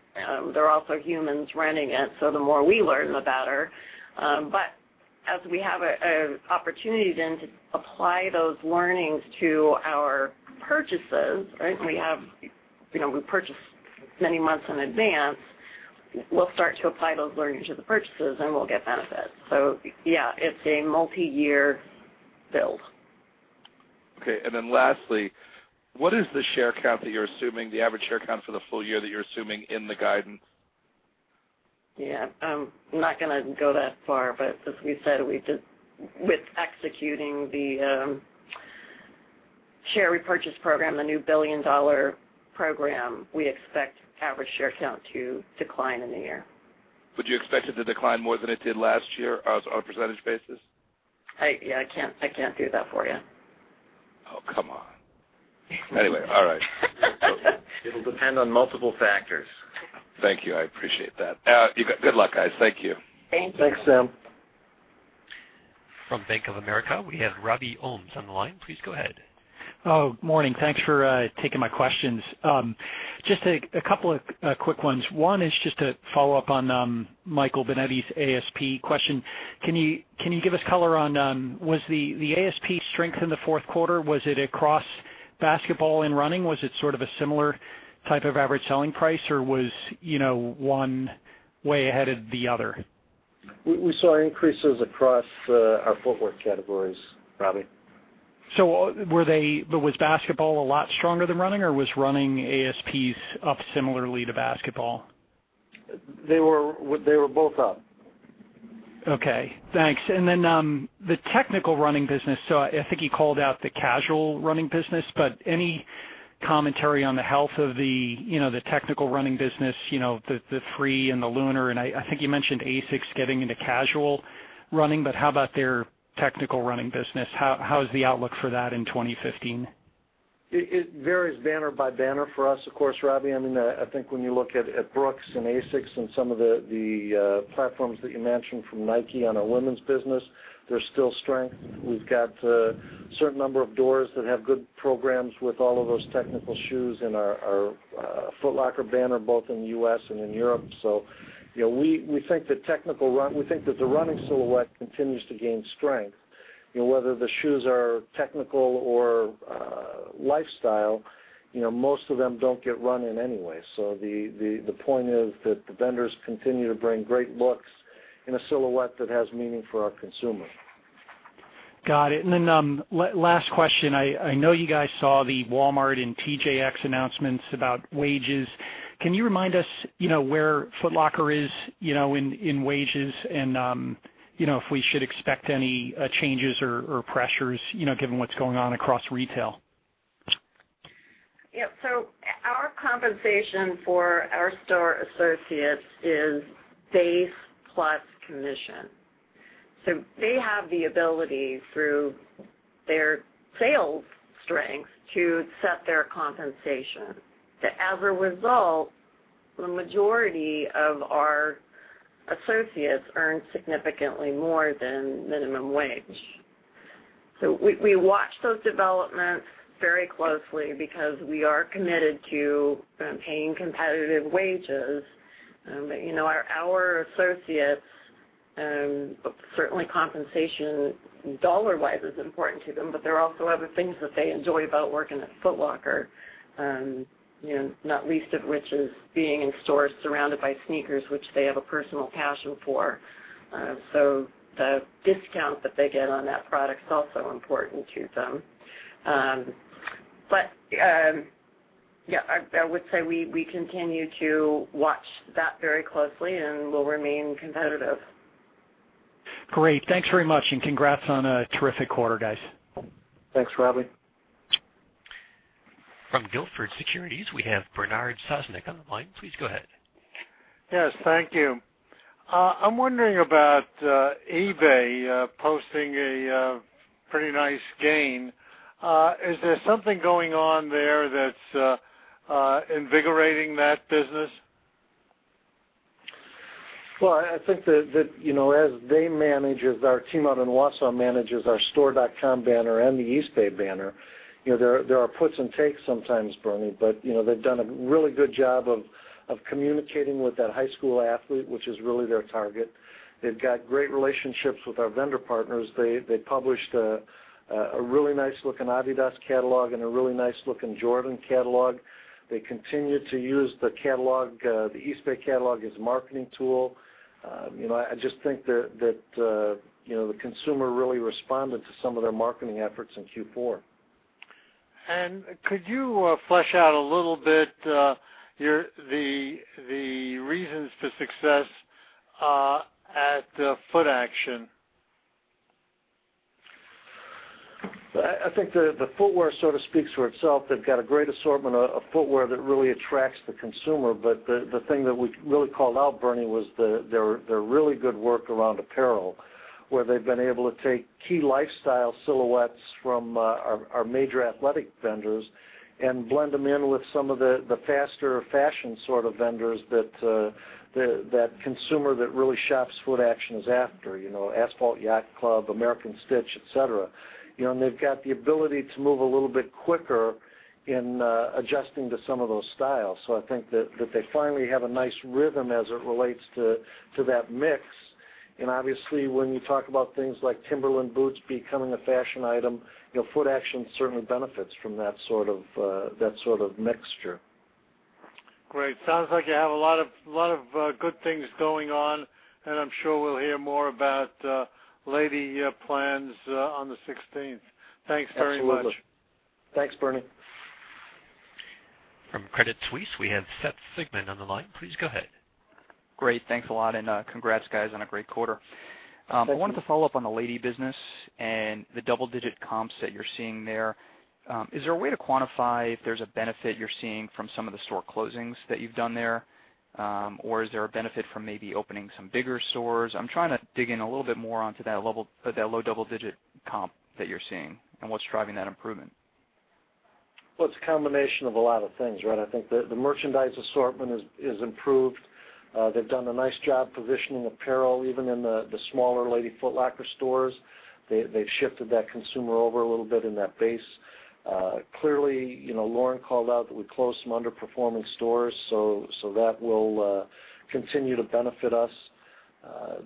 There are also humans running it, so the more we learn, the better. As we have an opportunity then to apply those learnings to our purchases, right, we purchase many months in advance. We'll start to apply those learnings to the purchases, and we'll get benefits. Yeah, it's a multi-year build. Lastly, what is the share count that you're assuming, the average share count for the full year that you're assuming in the guidance? Yeah. I'm not going to go that far. As we said, with executing the share repurchase program, the new billion-dollar program, we expect average share count to decline in the year. Would you expect it to decline more than it did last year on a percentage basis? I can't do that for you. Oh, come on. Anyway, all right. It'll depend on multiple factors. Thank you. I appreciate that. Good luck, guys. Thank you. Thank you. Thanks, Sam. From Bank of America, we have Ravi Shanker on the line. Please go ahead. Morning. Thanks for taking my questions. Just a couple of quick ones. One is just a follow-up on Michael Binetti's ASP question. Can you give us color on, was the ASP strength in the fourth quarter, was it across basketball and running? Was it sort of a similar type of average selling price, or was one way ahead of the other? We saw increases across our footwear categories, Ravi. Was basketball a lot stronger than running, or was running ASPs up similarly to basketball? They were both up. Okay, thanks. The technical running business, I think you called out the casual running business, but any commentary on the health of the technical running business, the Free and the Lunar, and I think you mentioned ASICS getting into casual running, but how about their technical running business? How is the outlook for that in 2015? It varies banner by banner for us, of course, Ravi. I think when you look at Brooks and ASICS and some of the platforms that you mentioned from Nike on a women's business, there's still strength. We've got a certain number of doors that have good programs with all of those technical shoes in our Foot Locker banner, both in the U.S. and in Europe. We think that the running silhouette continues to gain strength, whether the shoes are technical or lifestyle, most of them don't get run in anyway. The point is that the vendors continue to bring great looks in a silhouette that has meaning for our consumer. Got it. Last question. I know you guys saw the Walmart and TJX announcements about wages. Can you remind us where Foot Locker is in wages and if we should expect any changes or pressures, given what's going on across retail? Our compensation for our store associates is base plus commission. They have the ability, through their sales strength, to set their compensation. As a result, the majority of our associates earn significantly more than minimum wage. We watch those developments very closely because we are committed to paying competitive wages. Our associates, certainly compensation dollar-wise is important to them, but there are also other things that they enjoy about working at Foot Locker. Not least of which is being in stores surrounded by sneakers, which they have a personal passion for. The discount that they get on that product is also important to them. Yeah, I would say we continue to watch that very closely, and we'll remain competitive. Great. Thanks very much, and congrats on a terrific quarter, guys. Thanks, Ravi. From Gilford Securities, we have Bernard Sosnick on the line. Please go ahead. Yes, thank you. I'm wondering about eBay posting a pretty nice gain. Is there something going on there that's invigorating that business? I think that as our team out in Wausau manages our store.com banner and the Eastbay banner, there are puts and takes sometimes, Bernie, but they've done a really good job of communicating with that high school athlete, which is really their target. They've got great relationships with our vendor partners. They published a really nice-looking Adidas catalog and a really nice-looking Jordan catalog. They continue to use the Eastbay catalog as a marketing tool. I just think that the consumer really responded to some of their marketing efforts in Q4. Could you flesh out a little bit the reasons for success at Footaction? I think the footwear sort of speaks for itself. They've got a great assortment of footwear that really attracts the consumer. The thing that we really called out, Bernie, was their really good work around apparel, where they've been able to take key lifestyle silhouettes from our major athletic vendors and blend them in with some of the faster fashion sort of vendors that consumer that really shops Footaction is after, Asphalt Yacht Club, American Stitch, et cetera. They've got the ability to move a little bit quicker in adjusting to some of those styles. I think that they finally have a nice rhythm as it relates to that mix. Obviously, when you talk about things like Timberland boots becoming a fashion item, Footaction certainly benefits from that sort of mixture. Great. Sounds like you have a lot of good things going on, I'm sure we'll hear more about later plans on the 16th. Thanks very much. Absolutely. Thanks, Bernie. From Credit Suisse, we have Seth Sigman on the line. Please go ahead. Great. Thanks a lot, congrats, guys, on a great quarter. Thank you. I wanted to follow up on the Lady business and the double-digit comps that you're seeing there. Is there a way to quantify if there's a benefit you're seeing from some of the store closings that you've done there? Or is there a benefit from maybe opening some bigger stores? I'm trying to dig in a little bit more onto that low double-digit comp that you're seeing and what's driving that improvement. Well, it's a combination of a lot of things, right. I think the merchandise assortment is improved. They've done a nice job positioning apparel, even in the smaller Lady Foot Locker stores. They've shifted that consumer over a little bit in that base. Clearly, Lauren called out that we closed some underperforming stores, so that will continue to benefit us.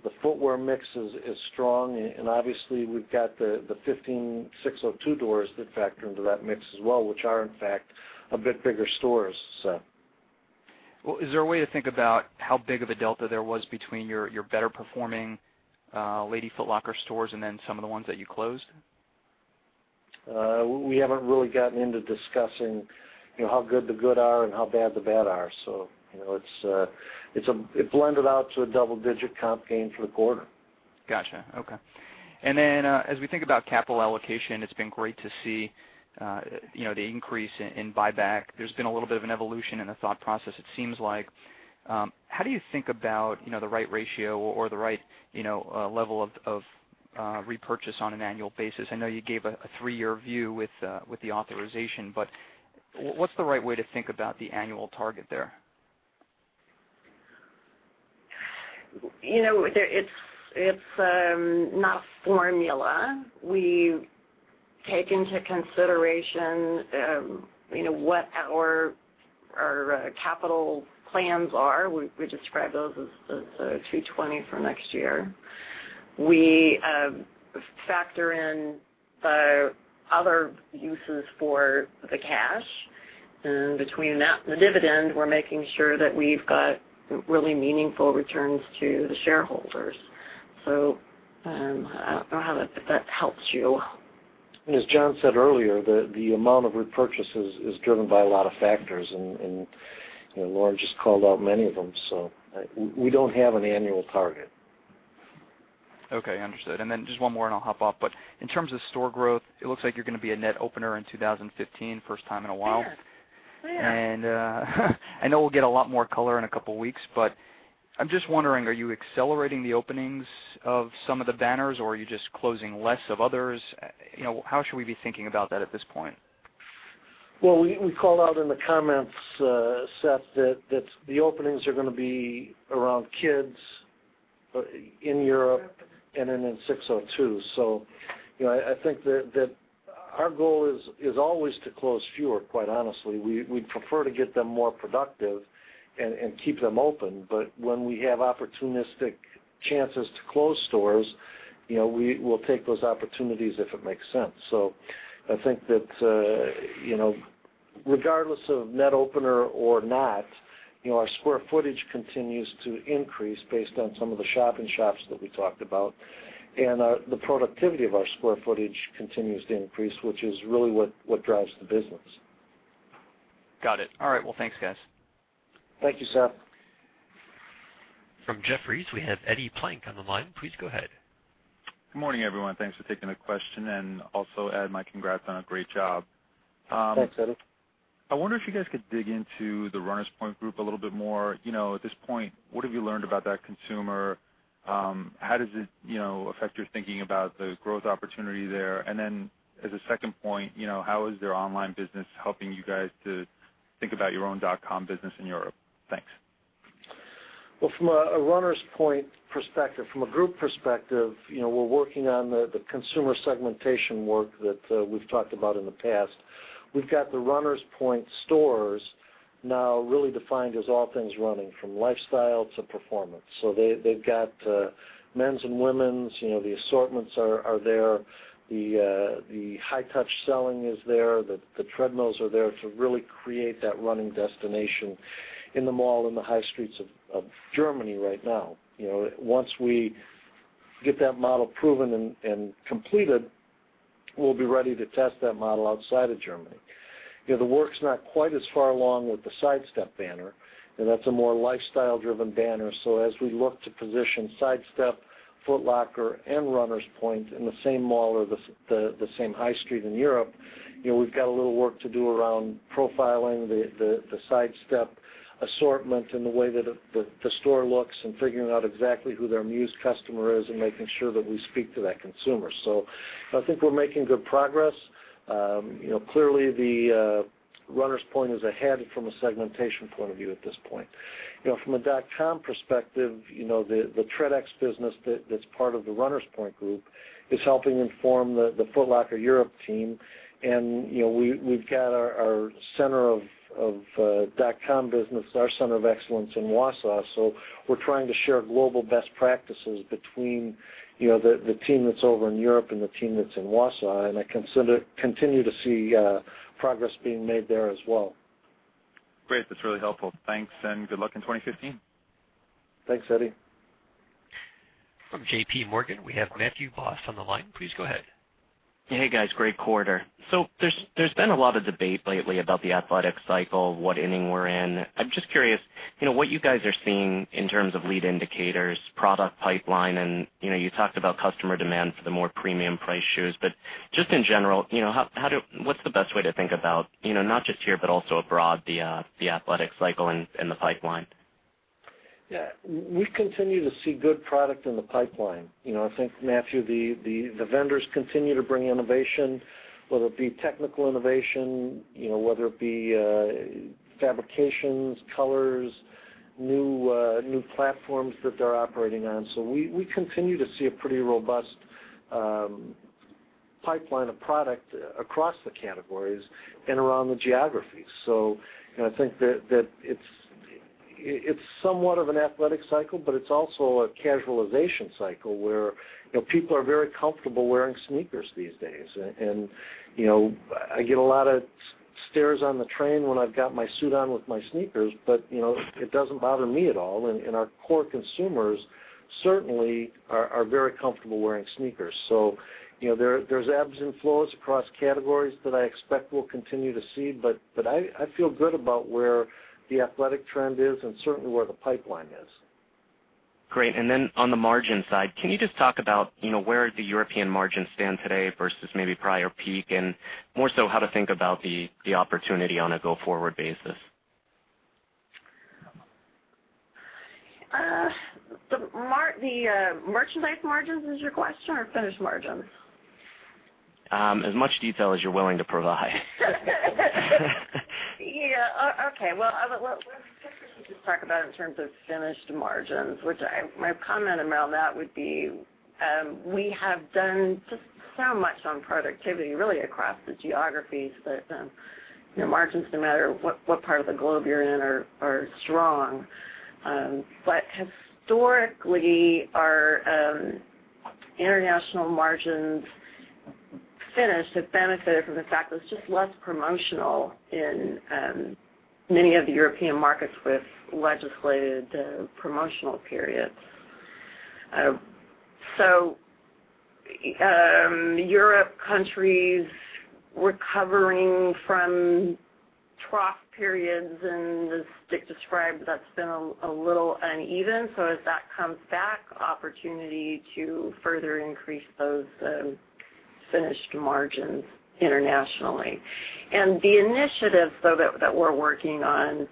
The footwear mix is strong, and obviously, we've got the 15 SIX:02 doors that factor into that mix as well, which are, in fact, a bit bigger stores. Well, is there a way to think about how big of a delta there was between your better-performing Lady Foot Locker stores and then some of the ones that you closed? We haven't really gotten into discussing how good the good are and how bad the bad are. It blended out to a double-digit comp gain for the quarter. Got you. Okay. As we think about capital allocation, it's been great to see the increase in buyback. There's been a little bit of an evolution in the thought process, it seems like. How do you think about the right ratio or the right level of repurchase on an annual basis? I know you gave a three-year view with the authorization, but what's the right way to think about the annual target there? It's not a formula. We take into consideration what our capital plans are. We describe those as $320 for next year. We factor in the other uses for the cash. Between that and the dividend, we're making sure that we've got really meaningful returns to the shareholders. I don't know if that helps you. As John said earlier, the amount of repurchases is driven by a lot of factors, Lauren just called out many of them. We don't have an annual target. Okay. Understood. Just one more, I'll hop off. In terms of store growth, it looks like you're going to be a net opener in 2015, first time in a while. We are. I know we'll get a lot more color in a couple of weeks, I'm just wondering, are you accelerating the openings of some of the banners, or are you just closing less of others? How should we be thinking about that at this point? We called out in the comments, Seth, that the openings are going to be around Kids Foot Locker in Europe and then in SIX:02. I think that our goal is always to close fewer, quite honestly. We'd prefer to get them more productive and keep them open. When we have opportunistic chances to close stores, we'll take those opportunities if it makes sense. I think that regardless of net opener or not, our square footage continues to increase based on some of the shop in shops that we talked about. The productivity of our square footage continues to increase, which is really what drives the business. Got it. All right. Well, thanks, guys. Thank you, Seth. From Jefferies, we have Edward Plank on the line. Please go ahead. Good morning, everyone. Thanks for taking the question. Also, Ed, my congrats on a great job. Thanks, Eddie. I wonder if you guys could dig into the Runners Point Group a little bit more. At this point, what have you learned about that consumer? How does it affect your thinking about the growth opportunity there? As a second point, how is their online business helping you guys to think about your own dotcom business in Europe? Thanks. Well, from a Runners Point perspective, from a Group perspective, we're working on the consumer segmentation work that we've talked about in the past. We've got the Runners Point stores now really defined as all things running, from lifestyle to performance. They've got men's and women's. The assortments are there. The high touch selling is there. The treadmills are there to really create that running destination in the mall in the high streets of Germany right now. Once we get that model proven and completed, we'll be ready to test that model outside of Germany. The work's not quite as far along with the Sidestep banner, that's a more lifestyle-driven banner. As we look to position Sidestep, Foot Locker, and Runners Point in the same mall or the same high street in Europe, we've got a little work to do around profiling the Sidestep assortment and the way that the store looks and figuring out exactly who their muse customer is and making sure that we speak to that consumer. I think we're making good progress. Clearly, Runners Point is ahead from a segmentation point of view at this point. From a dotcom perspective, the TredX business that's part of the Runners Point Group is helping inform the Foot Locker Europe team. We've got our center of dotcom business, our center of excellence in Wausau. We're trying to share global best practices between the team that's over in Europe and the team that's in Wausau, I continue to see progress being made there as well. Great. That's really helpful. Thanks. Good luck in 2015. Thanks, Eddie. From JPMorgan, we have Matthew Boss on the line. Please go ahead. Hey, guys, great quarter. There's been a lot of debate lately about the athletic cycle, what inning we're in. I'm just curious, what you guys are seeing in terms of lead indicators, product pipeline, and you talked about customer demand for the more premium priced shoes. Just in general, what's the best way to think about, not just here but also abroad, the athletic cycle and the pipeline? Yeah. We continue to see good product in the pipeline. I think, Matthew, the vendors continue to bring innovation, whether it be technical innovation, whether it be fabrications, colors, new platforms that they're operating on. We continue to see a pretty robust pipeline of product across the categories and around the geographies. I think that it's somewhat of an athletic cycle, but it's also a casualization cycle where people are very comfortable wearing sneakers these days. I get a lot of stares on the train when I've got my suit on with my sneakers, but it doesn't bother me at all. Our core consumers certainly are very comfortable wearing sneakers. There's ebbs and flows across categories that I expect we'll continue to see, but I feel good about where the athletic trend is and certainly where the pipeline is. Great. On the margin side, can you just talk about where the European margins stand today versus maybe prior peak? More so, how to think about the opportunity on a go-forward basis. The merchandise margins is your question, or finished margins? As much detail as you're willing to provide. Yeah. Okay. Well, I guess we could just talk about in terms of finished margins, which my comment around that would be, we have done just so much on productivity, really across the geographies that margins, no matter what part of the globe you're in, are strong. Historically, our international margins finished have benefited from the fact that it's just less promotional in many of the European markets with legislated promotional periods. Europe countries recovering from trough periods and as Dick described, that's been a little uneven. As that comes back, opportunity to further increase those finished margins internationally. The initiatives, though, that we're working on,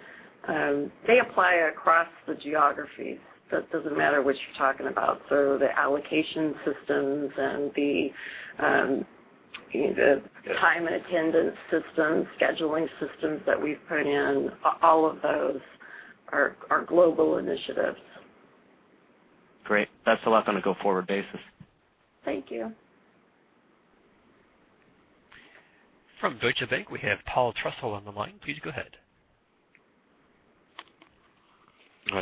they apply across the geographies. That doesn't matter what you're talking about. The allocation systems and the time and attendance systems, scheduling systems that we've put in, all of those are global initiatives. Great. That's a lot on a go-forward basis. Thank you. From Deutsche Bank, we have Paul Trussell on the line. Please go ahead.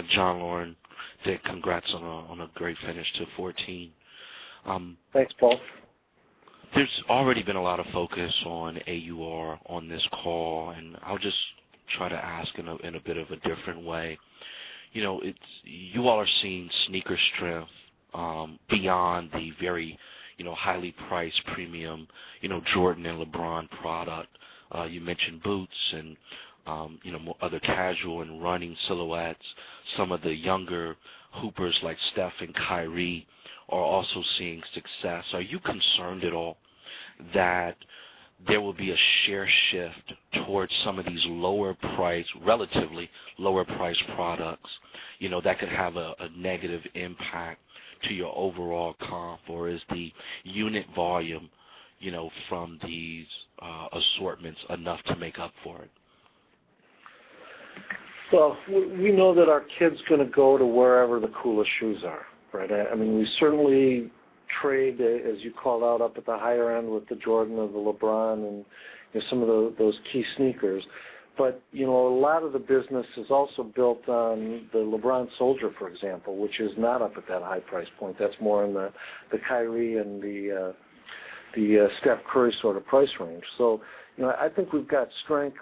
John, Lauren, Dick, congrats on a great finish to 2014. Thanks, Paul. There's already been a lot of focus on AUR on this call. I'll just try to ask in a bit of a different way. You all are seeing sneaker strength, beyond the very highly priced premium Jordan and LeBron product. You mentioned boots and other casual and running silhouettes. Some of the younger hoopers like Steph and Kyrie are also seeing success. Are you concerned at all that there will be a share shift towards some of these relatively lower-priced products that could have a negative impact to your overall comp, or is the unit volume from these assortments enough to make up for it? We know that our kids are going to go to wherever the coolest shoes are, right? We certainly trade, as you called out, up at the higher end with the Jordan or the LeBron and some of those key sneakers. A lot of the business is also built on the LeBron Soldier, for example, which is not up at that high price point. That's more in the Kyrie and the Steph Curry sort of price range. I think we've got strength,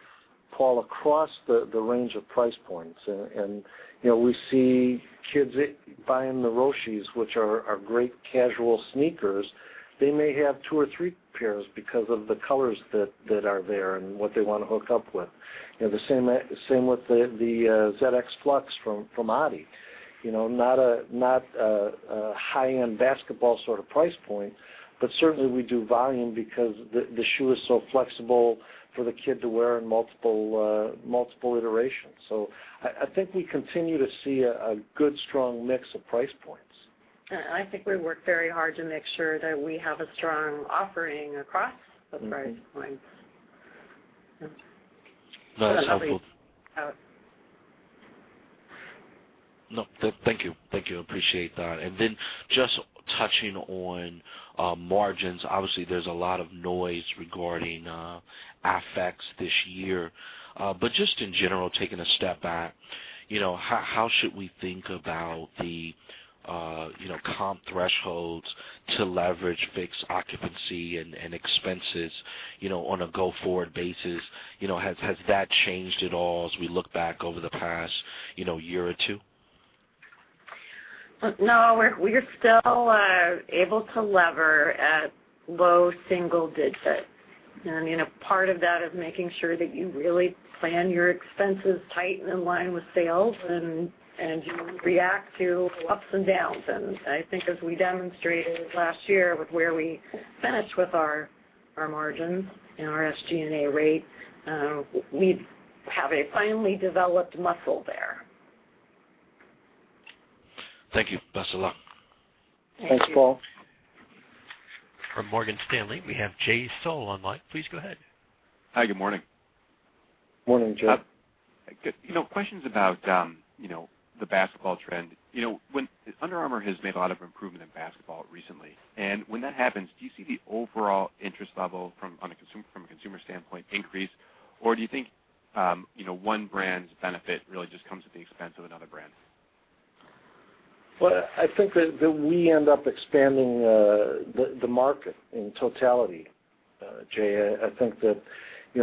Paul, across the range of price points. We see kids buying the Roshes, which are great casual sneakers. They may have two or three pairs because of the colors that are there and what they want to hook up with. The same with the ZX Flux from Adi. Not a high-end basketball sort of price point, but certainly we do volume because the shoe is so flexible for the kid to wear in multiple iterations. I think we continue to see a good, strong mix of price points. I think we work very hard to make sure that we have a strong offering across those price points. No, that's helpful. Thank you. Appreciate that. Then just touching on margins. Obviously, there's a lot of noise regarding FX this year. Just in general, taking a step back, how should we think about the comp thresholds to leverage fixed occupancy and expenses on a go-forward basis? Has that changed at all as we look back over the past year or two? No, we're still able to lever at low single digits. Part of that is making sure that you really plan your expenses tight and in line with sales and you react to ups and downs. I think as we demonstrated last year with where we finished with our margins and our SG&A rate, we have a finely developed muscle there. Thank you. Best of luck. Thanks, Paul. From Morgan Stanley, we have Jay Sole online. Please go ahead. Hi, good morning. Morning, Jay. Questions about the basketball trend. Under Armour has made a lot of improvement in basketball recently. When that happens, do you see the overall interest level from a consumer standpoint increase, or do you think one brand's benefit really just comes at the expense of another brand? Well, I think that we end up expanding the market in totality, Jay. I think that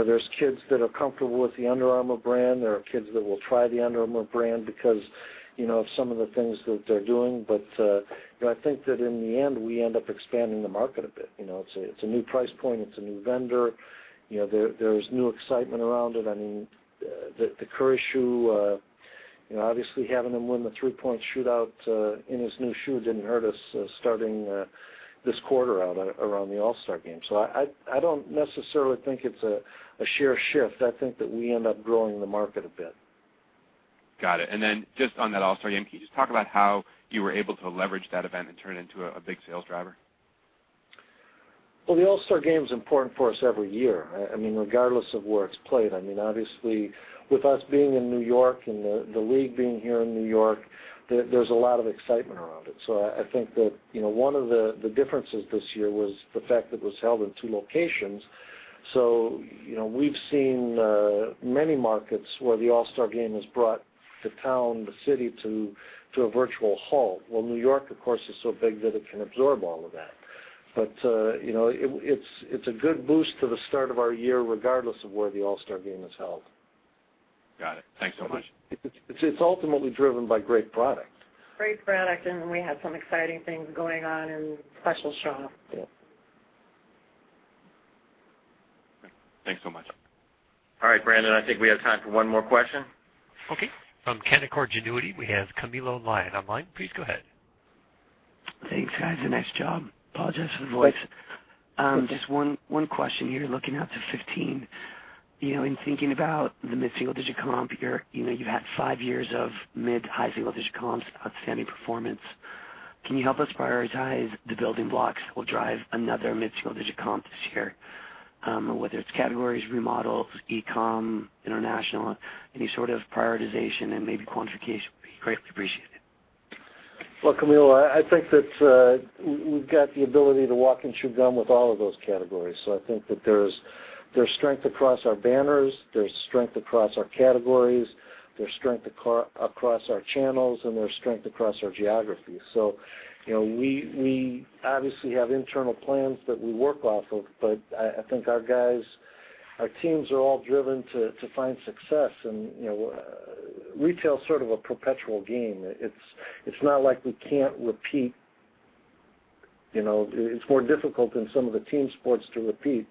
there's kids that are comfortable with the Under Armour brand. There are kids that will try the Under Armour brand because of some of the things that they're doing. I think that in the end, we end up expanding the market a bit. It's a new price point. It's a new vendor. There's new excitement around it. The Curry shoe, obviously having him win the three-point shootout in his new shoe didn't hurt us starting this quarter out around the All-Star Game. I don't necessarily think it's a share shift. I think that we end up growing the market a bit. Got it. Then just on that All-Star Game, can you just talk about how you were able to leverage that event and turn it into a big sales driver? Well, the All-Star Game is important for us every year, regardless of where it's played. Obviously, with us being in New York and the league being here in New York, there's a lot of excitement around it. I think that one of the differences this year was the fact that it was held in two locations. We've seen many markets where the All-Star Game has brought the town, the city to a virtual halt. Well, New York, of course, is so big that it can absorb all of that. It's a good boost to the start of our year, regardless of where the All-Star Game is held. Got it. Thanks so much. It's ultimately driven by great product. Great product, and we have some exciting things going on in special shop. Thanks so much. Brandon, I think we have time for one more question. From Canaccord Genuity, we have Camilo Lyon online. Please go ahead. Thanks, guys. Nice job. Apologize for the voice. Just one question here. Looking out to 2015, in thinking about the mid-single-digit comp, you've had five years of mid-high single-digit comps, outstanding performance. Can you help us prioritize the building blocks that will drive another mid-single-digit comp this year? Whether it's categories, remodels, e-com, international, any sort of prioritization and maybe quantification would be greatly appreciated. Camilo, I think that we've got the ability to walk and chew gum with all of those categories. I think that there's strength across our banners, there's strength across our categories, there's strength across our channels, and there's strength across our geography. We obviously have internal plans that we work off of, but I think our guys, our teams are all driven to find success and retail is sort of a perpetual game. It's not like we can't repeat. It's more difficult than some of the team sports to repeat,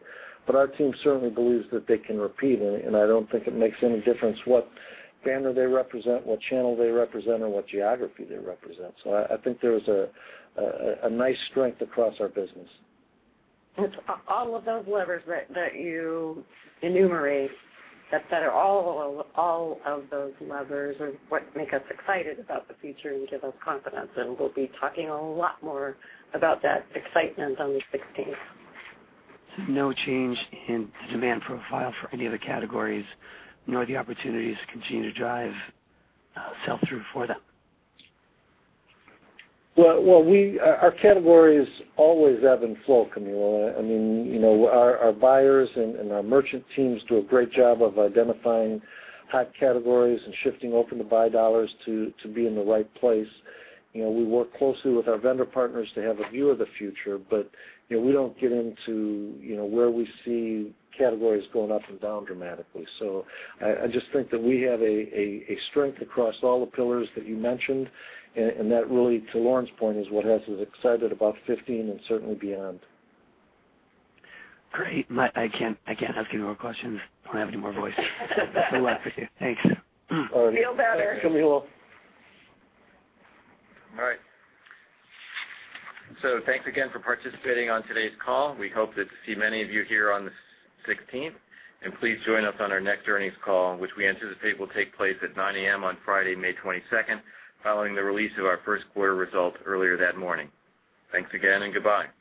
but our team certainly believes that they can repeat, and I don't think it makes any difference what banner they represent, what channel they represent, or what geography they represent. I think there's a nice strength across our business. It's all of those levers that you enumerate, that are all of those levers are what make us excited about the future and give us confidence. We'll be talking a lot more about that excitement on the 16th. No change in the demand profile for any of the categories, nor the opportunities continue to drive sell-through for them? Well, our categories always ebb and flow, Camilo. Our buyers and our merchant teams do a great job of identifying hot categories and shifting open to buy dollars to be in the right place. We work closely with our vendor partners to have a view of the future, but we don't get into where we see categories going up and down dramatically. I just think that we have a strength across all the pillars that you mentioned, and that really, to Lauren's point, is what has us excited about 2015 and certainly beyond. Great. I can't ask any more questions. I don't have any more voice. Good luck with you. Thanks. Feel better. Thanks, Camilo. All right. Thanks again for participating on today's call. We hope to see many of you here on the 16th. Please join us on our next earnings call, which we anticipate will take place at 9:00 A.M. on Friday, May 22nd, following the release of our first quarter results earlier that morning. Thanks again, and goodbye.